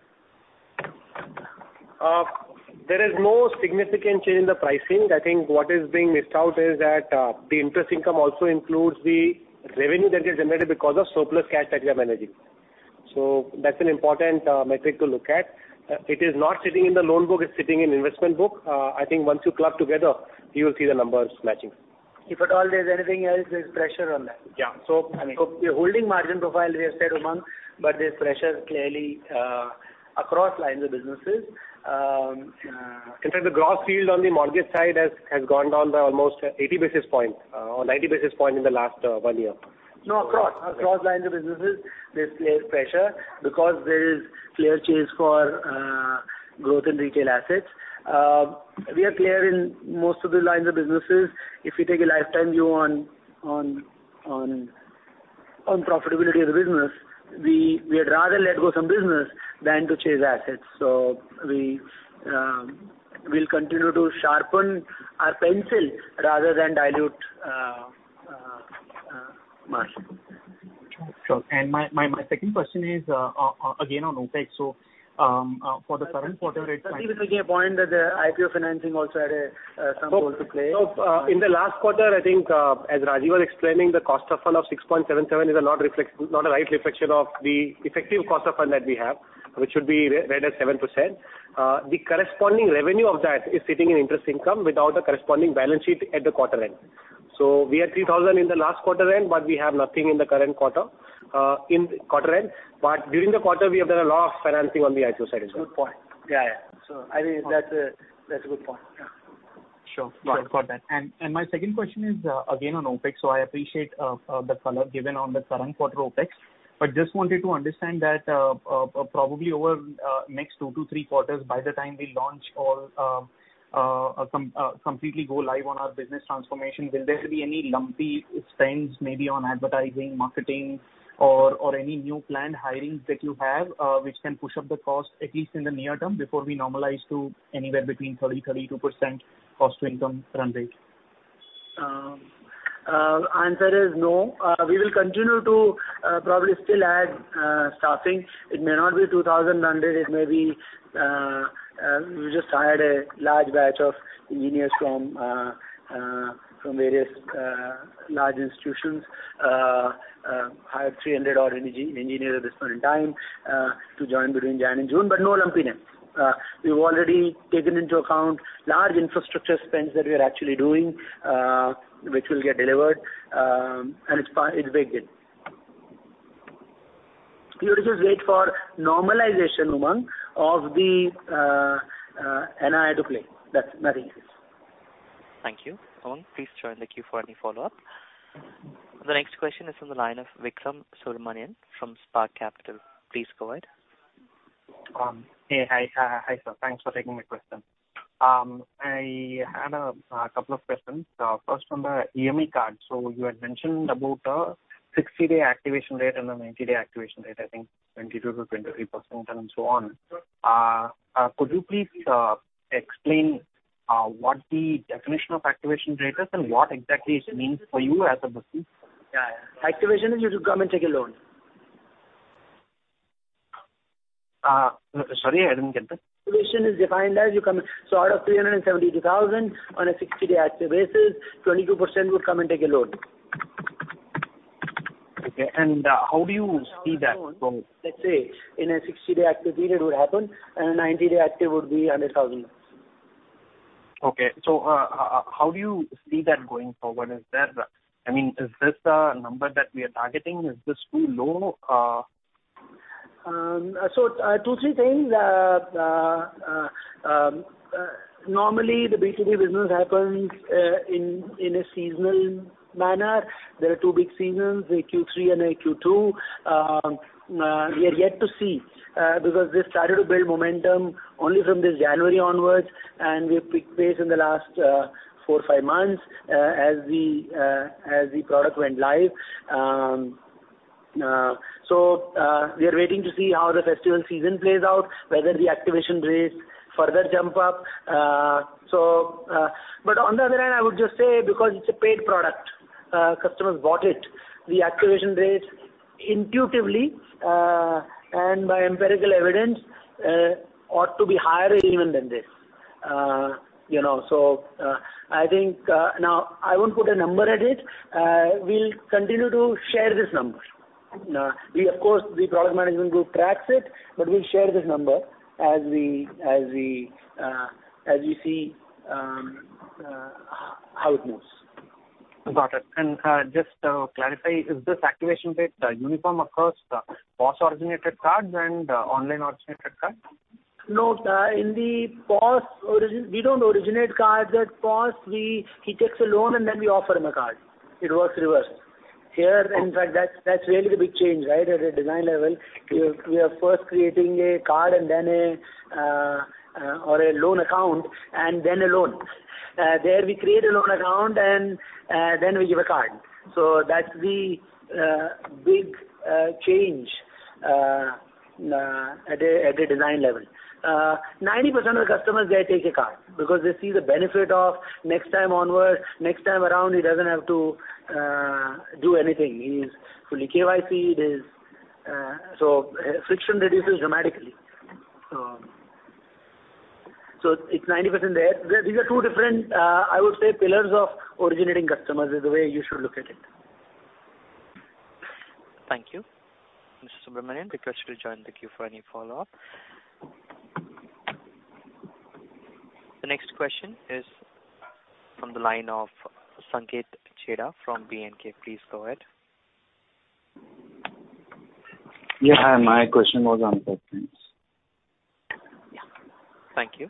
There is no significant change in the pricing. I think what is being missed out is that, the interest income also includes the revenue that is generated because of surplus cash that we are managing. That's an important metric to look at. It is not sitting in the loan book, it's sitting in investment book. I think once you club together, you will see the numbers matching. If at all there's anything else, there's pressure on that. Yeah. I mean, the holding margin profile we have said, Umang, but there's pressure clearly across lines of businesses. In fact, the gross yield on the mortgage side has gone down by almost 80 basis points or 90 basis points in the last one year. No, across. Okay. Across lines of businesses, there's clear pressure because there is clear chase for growth in retail assets. We are clear in most of the lines of businesses, if we take a lifetime view on profitability of the business, we'd rather let go some business than to chase assets. We'll continue to sharpen our pencil rather than dilute margin. Sure. My second question is, again on OpEx for the current quarter. Sandeep is making a point that the IPO financing also had some role to play. In the last quarter, I think, as Rajeev was explaining, the cost of fund of 6.77 is not a right reflection of the effective cost of fund that we have, which should be read as 7%. The corresponding revenue of that is sitting in interest income without the corresponding balance sheet at the quarter end. We had 3,000 in the last quarter end, but we have nothing in the current quarter in quarter end. During the quarter, we have done a lot of financing on the IPO side as well. Good point. Yeah. I think that's a good point. Yeah. Sure. Sure. Got that. My second question is again on OpEx. I appreciate the color given on the current quarter OpEx. I just wanted to understand that probably over next two to three quarters by the time we launch or completely go live on our business transformation will there be any lumpy expense maybe on advertising marketing or any new planned hiring that you have which can push up the cost at least in the near term before we normalize to anywhere between 30%-32% cost to income run rate? Answer is no. We will continue to probably still add staffing. It may not be 2,000 hundred, it may be. We just hired a large batch of engineers from various large institutions. I have 300 odd engineers at this point in time to join between January and June, but no lumpiness. We've already taken into account large infrastructure spends that we are actually doing, which will get delivered, and it's baked in. You just wait for normalization, Umang, of the NIM to play. That's nothing else. Thank you. Umang, please join the queue for any follow-up. The next question is from the line of Vikram Subramanian from Spark Capital. Please go ahead. Hey. Hi. Hi, sir. Thanks for taking my question. I had a couple of questions. First on the EMI card. You had mentioned about a 60-day activation rate and a 90-day activation rate, I think 22%-23% and so on. Could you please explain what the definition of activation rate is and what exactly it means for you as a business? Yeah, yeah. Activation is you come and take a loan. Sorry, I didn't get that. Activation is defined as you come out of 372,000 on a 60-day active basis, 22% would come and take a loan. Okay. How do you see that from- Let's say in a 60-day active period would happen and a 90-day active would be 100,000. Okay. How do you see that going forward? I mean, is this the number that we are targeting? Is this too low? Two, three things. Normally the B2B business happens in a seasonal manner. There are two big seasons, a Q3 and a Q2. We are yet to see because this started to build momentum only from this January onwards, and we have picked pace in the last 4-5 months as the product went live. We are waiting to see how the festival season plays out, whether the activation rates further jump up. On the other hand, I would just say because it's a paid product, customers bought it, the activation rates intuitively and by empirical evidence ought to be higher even than this. You know, I think now I won't put a number at it. We'll continue to share this number. We of course, the product management group tracks it, but we'll share this number as we see how it moves. Got it. Just to clarify, is this activation rate uniform across the POS originated cards and online originated cards? No, we don't originate cards at POS. He takes a loan and then we offer him a card. It works in reverse. Here, in fact, that's really the big change, right? At a design level, we are first creating a card and then a loan account and then a loan. There we create a loan account and then we give a card. That's the big change at a design level. 90% of the customers there take a card because they see the benefit of next time onward, next time around. He doesn't have to do anything. He's fully KYC'd. Friction reduces dramatically. It's 90% there. These are two different, I would say pillars of originating customers is the way you should look at it. Thank you. Mr. Subramanian, request to join the queue for any follow-up. The next question is from the line of Sanket Chheda from B&K. Please go ahead. Yeah. My question was answered. Thanks. Yeah. Thank you.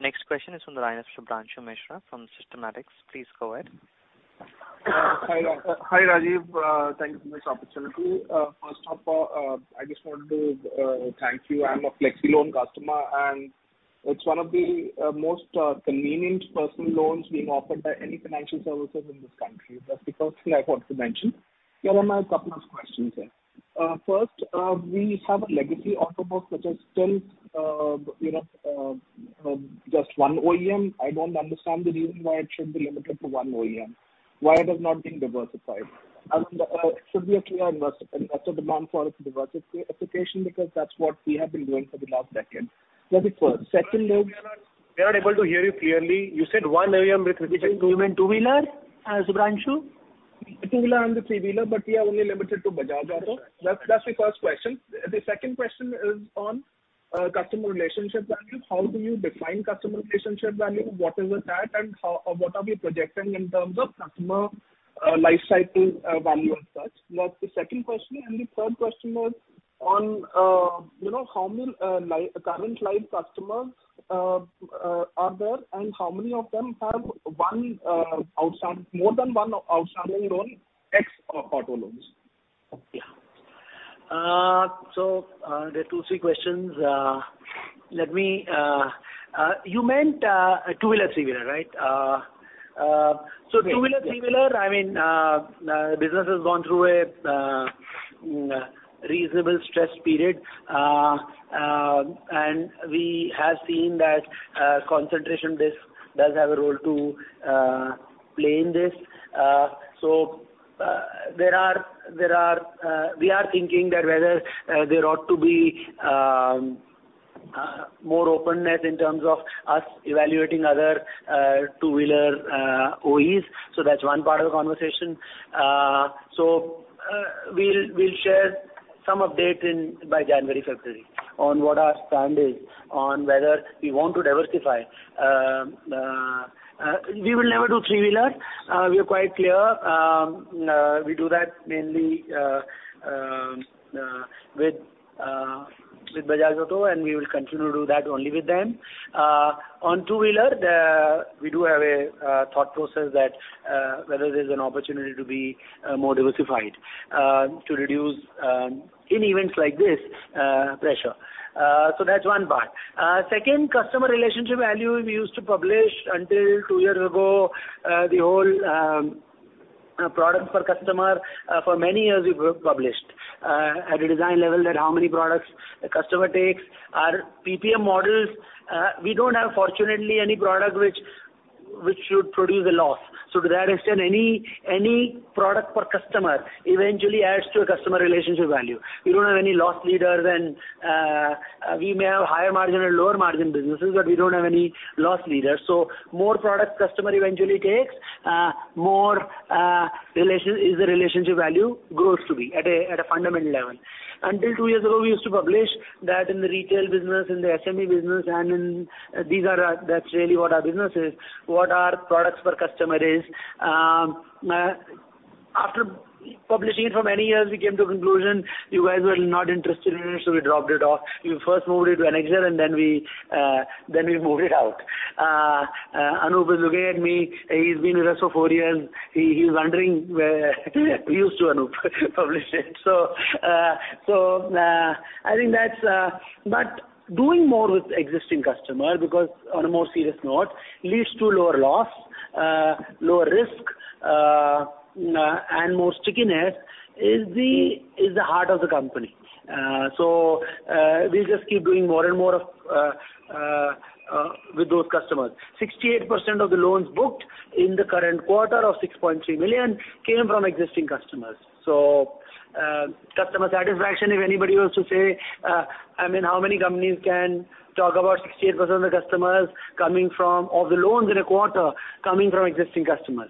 Next question is from the line of Shubhranshu Mishra from Systematix. Please go ahead. Hi, Rajeev. Thank you for this opportunity. First of all, I just wanted to thank you. I'm a Flexi Loan customer, and it's one of the most convenient personal loans being offered by any financial services in this country. That's the first thing I want to mention. Here are my couple of questions. First, we have a legacy auto book which is still, you know, just one OEM. I don't understand the reason why it should be limited to one OEM. Why it has not been diversified? It should be a clear investment and also demand for a diversified application because that's what we have been doing for the last decade. That's it first. Second is- We are not able to hear you clearly. You said one OEM with- You mean two-wheeler, Shubhranshu? Two-wheeler and the three-wheeler, but we are only limited to Bajaj Auto. That's the first question. The second question is on customer relationship value. How do you define customer relationship value? What is the tat and how or what are we projecting in terms of customer lifecycle value and such? That's the second question. The third question was on, you know, how many current live customers are there and how many of them have one outstanding, more than one outstanding loan ex auto loans? Yeah. There are two, three questions. Let me. You meant two-wheeler, three-wheeler, right? Yes. Two-wheeler, three-wheeler, I mean, business has gone through a reasonable stress period. We have seen that concentration risk does have a role to play in this. We are thinking that whether there ought to be more openness in terms of us evaluating other two-wheeler OEMs. That's one part of the conversation. We'll share some update in by January, February on what our stand is on whether we want to diversify. We will never do three-wheeler. We are quite clear. We do that mainly with Bajaj Auto, and we will continue to do that only with them. On two-wheeler, we do have a thought process that whether there's an opportunity to be more diversified to reduce pressure in events like this. That's one part. Second, customer relationship value we used to publish until two years ago, the whole product per customer for many years we published. At a design level that how many products a customer takes. Our PPM models, we don't have, fortunately, any product which should produce a loss. To that extent, any product per customer eventually adds to a customer relationship value. We don't have any loss leaders and we may have higher margin or lower margin businesses, but we don't have any loss leaders. More products a customer eventually takes, the more the relationship value grows at a fundamental level. Until two years ago, we used to publish that in the retail business, in the SME business and in these. These are ours. That's really what our business is. What our products per customer is. After publishing it for many years, we came to a conclusion. You guys were not interested in it, so we dropped it off. We first moved it to an Excel and then we moved it out. Anup Saha is looking at me. He's been with us for four years. He's wondering where we used to, Anup Saha, publish it. I think that's. Doing more with existing customer because on a more serious note, leads to lower loss, lower risk, and more stickiness is the heart of the company. We'll just keep doing more and more with those customers. 68% of the loans booked in the current quarter of 6.3 million came from existing customers. Customer satisfaction, if anybody was to say, I mean, how many companies can talk about 68% of the customers coming from, or the loans in a quarter coming from existing customers?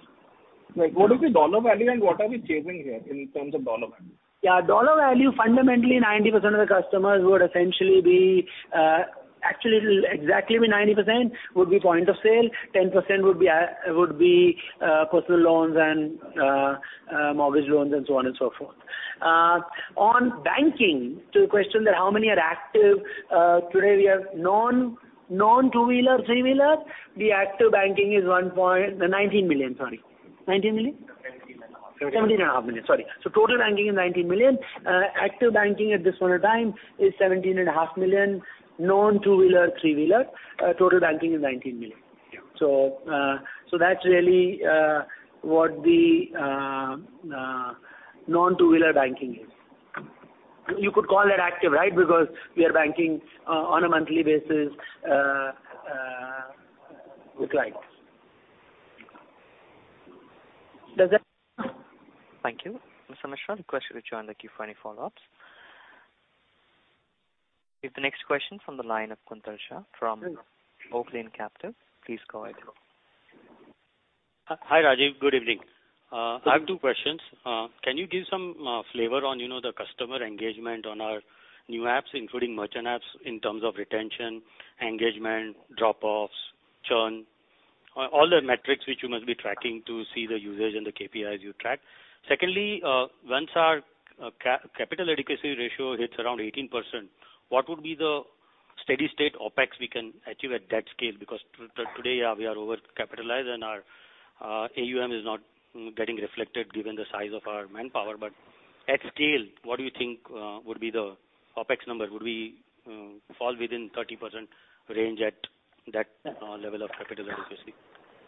Like, what is the dollar value and what are we chasing here in terms of dollar value? Yeah, dollar value, fundamentally 90% of the customers would essentially be, actually it'll exactly be 90% would be point of sale, 10% would be personal loans and mortgage loans and so on and so forth. On banking, to your question that how many are active, today we have non two-wheeler, three-wheeler. The active banking is 19 million, sorry. 19 million? 17.5 million, sorry. So total banking is 19 million. Active banking at this point of time is 17.5 million, non-two-wheeler, three-wheeler. Total banking is 19 million. Yeah. That's really what the non-two-wheeler banking is. You could call it active, right? Because we are banking on a monthly basis with clients. Does that- Thank you. Mr. Mishra, request you to join the queue for any follow-ups. We have the next question from the line of Kuntal Shah from Oaklane Capital. Please go ahead. Hi, Rajeev. Good evening. I have two questions. Can you give some flavor on, you know, the customer engagement on our new apps, including merchant apps, in terms of retention, engagement, drop-offs, churn, all the metrics which you must be tracking to see the usage and the KPIs you track? Secondly, once our capital adequacy ratio hits around 18%, what would be the steady state OpEx we can achieve at that scale? Because today, we are overcapitalized and our AUM is not getting reflected given the size of our manpower. But at scale, what do you think would be the OpEx number? Would we fall within 30% range at that level of capital adequacy?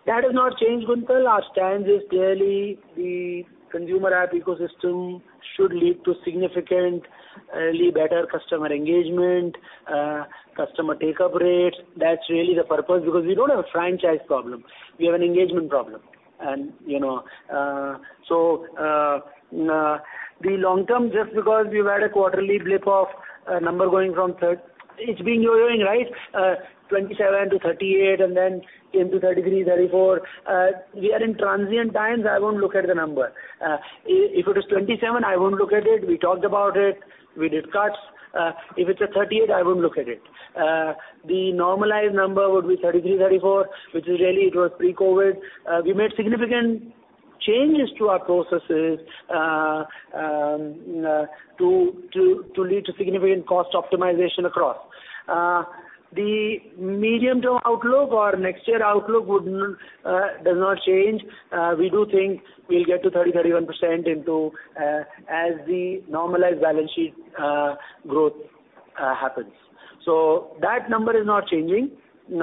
That has not changed, Kuntal. Our stance is clearly the consumer app ecosystem should lead to significant, really better customer engagement, customer take-up rates. That's really the purpose, because we don't have a franchise problem. We have an engagement problem. You know, the long term, just because we've had a quarterly blip of a number going from— It's been yo-yoing, right? 27%-38% and then came to 33%-34%. We are in transient times. I won't look at the number. If it is 27, I won't look at it. We talked about it. We did cuts. If it's at 38, I won't look at it. The normalized number would be 33-34, which is really it was pre-COVID. We made significant changes to our processes to lead to significant cost optimization across. The medium-term outlook or next year outlook does not change. We do think we'll get to 30-31% as the normalized balance sheet growth happens. That number is not changing. We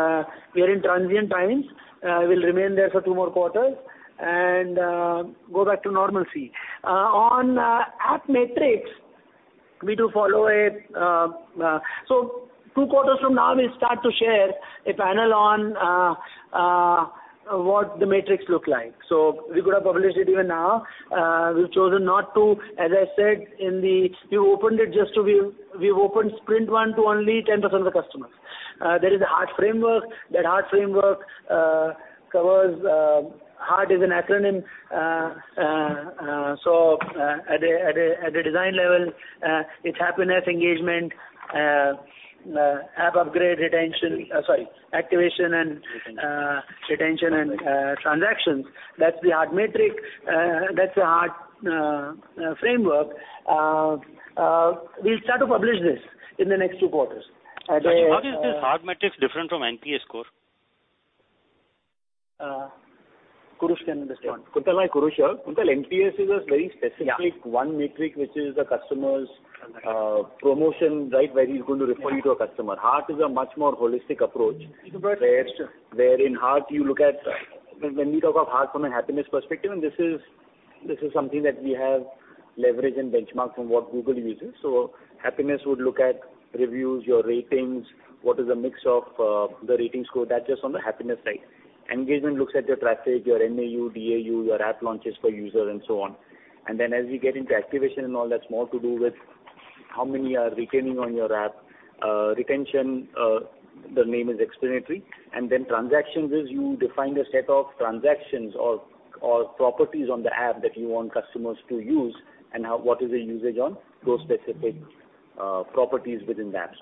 are in transient times. We'll remain there for two more quarters and go back to normalcy. On app metrics, two quarters from now, we'll start to share a panel on what the metrics look like. We could have published it even now. We've chosen not to. We've opened sprint one to only 10% of the customers. There is a HEART framework. That HEART framework covers. HEART is an acronym. At a design level, it's happiness, engagement, app upgrade, retention. Sorry, activation and retention and transactions. That's the HEART metric. That's the HEART framework. We'll start to publish this in the next two quarters. At a How is this HEART metrics different from NPS score? Kurush can respond. Kuntal, hi, Kurush here. Kuntal, NPS is a very specific- Yeah. One metric, which is the customer's promoter, right? Where he's going to refer you to a customer. HEART is a much more holistic approach. Where in HEART you look at. When we talk of HEART from a happiness perspective, this is something that we have leveraged and benchmarked from what Google uses. Happiness would look at reviews, your ratings, what is the mix of the rating score. That's just on the happiness side. Engagement looks at your traffic, your MAU, DAU, your app launches per user, and so on. As we get into activation and all, that's more to do with how many are retaining on your app. Retention, the name is explanatory. Transactions, you define a set of transactions or properties on the app that you want customers to use and how, what is the usage on those specific properties within the app.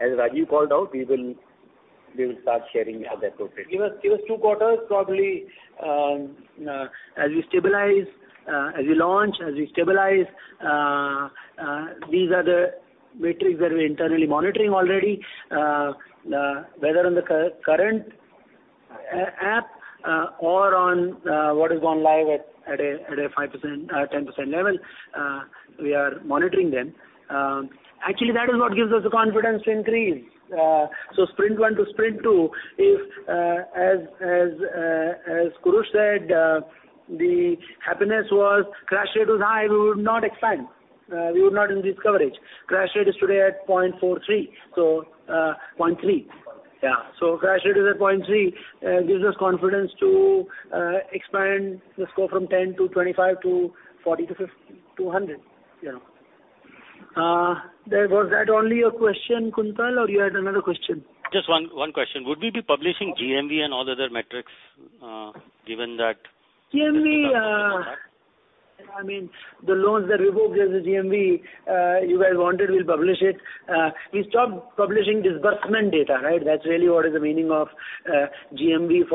As Rajeev called out, we will start sharing at that total. Give us two quarters, probably, as we stabilize, as we launch, as we stabilize, these are the metrics that we're internally monitoring already. Whether on the current app, or on what has gone live at a 5%, 10% level, we are monitoring them. Actually, that is what gives us the confidence to increase. Sprint one to sprint two is, as Kurush said, crash rate was high, we would not expand. We would not increase coverage. Crash rate is today at 0.43. 0.3. Yeah. Crash rate is at 0.3%. Gives us confidence to expand the scope from 10 to 25 to 40 to 100. Yeah. Was that only your question, Kuntal, or you had another question? Just one question. Would we be publishing GMV and all other metrics, given that- GMV, I mean, the loans that we book as a GMV, you guys want it, we'll publish it. We stopped publishing disbursement data, right? That's really what is the meaning of GMV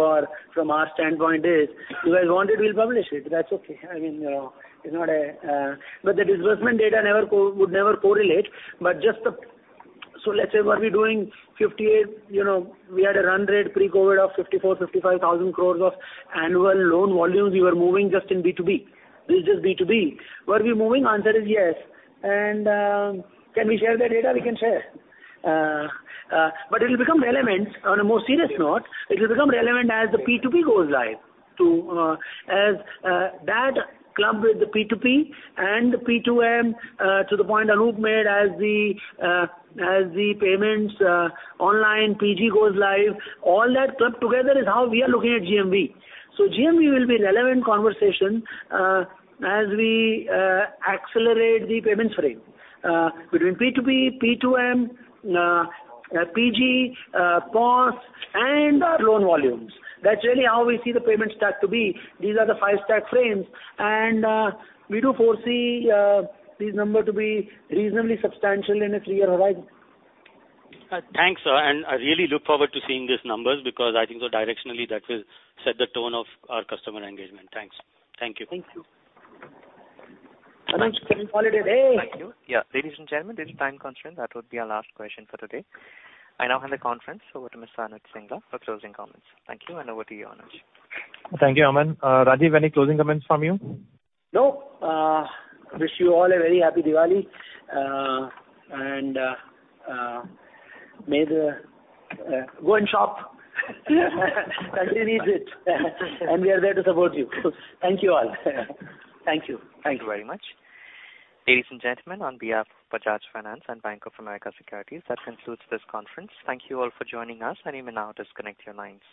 from our standpoint is. You guys want it, we'll publish it. That's okay. I mean, it's not a. But the disbursement data never would correlate. But just. So let's say were we doing 58,000 crore, you know, we had a run rate pre-COVID of 54,000-55,000 crore of annual loan volumes we were moving just in B2B. This is B2B. Were we moving? Answer is yes. Can we share the data? We can share. It'll become relevant, on a more serious note, it'll become relevant as the P2P goes live, as that clubbed with the P2P and the P2M to the point Anup made as the payments online PG goes live. All that clubbed together is how we are looking at GMV. GMV will be relevant conversation as we accelerate the payments frame between P2P, P2M, PG, POS and our loan volumes. That's really how we see the payment stack to be. These are the five stack frames, and we do foresee these numbers to be reasonably substantial in a three-year horizon. Thanks, sir, and I really look forward to seeing these numbers because I think directionally that will set the tone of our customer engagement. Thanks. Thank you. Thank you. Anuj, happy holiday. Thank you. Yeah. Ladies and gentlemen, due to time constraint, that would be our last question for today. I now hand the conference over to Mr. Anuj Singla for closing comments. Thank you, and over to you, Anuj. Thank you, Aman. Rajeev, any closing comments from you? Wish you all a very happy Diwali. Go and shop. That really is it. We are there to support you. Thank you all. Thank you very much. Ladies and gentlemen, on behalf of Bajaj Finance and Bank of America Securities, that concludes this conference. Thank you all for joining us, and you may now disconnect your lines.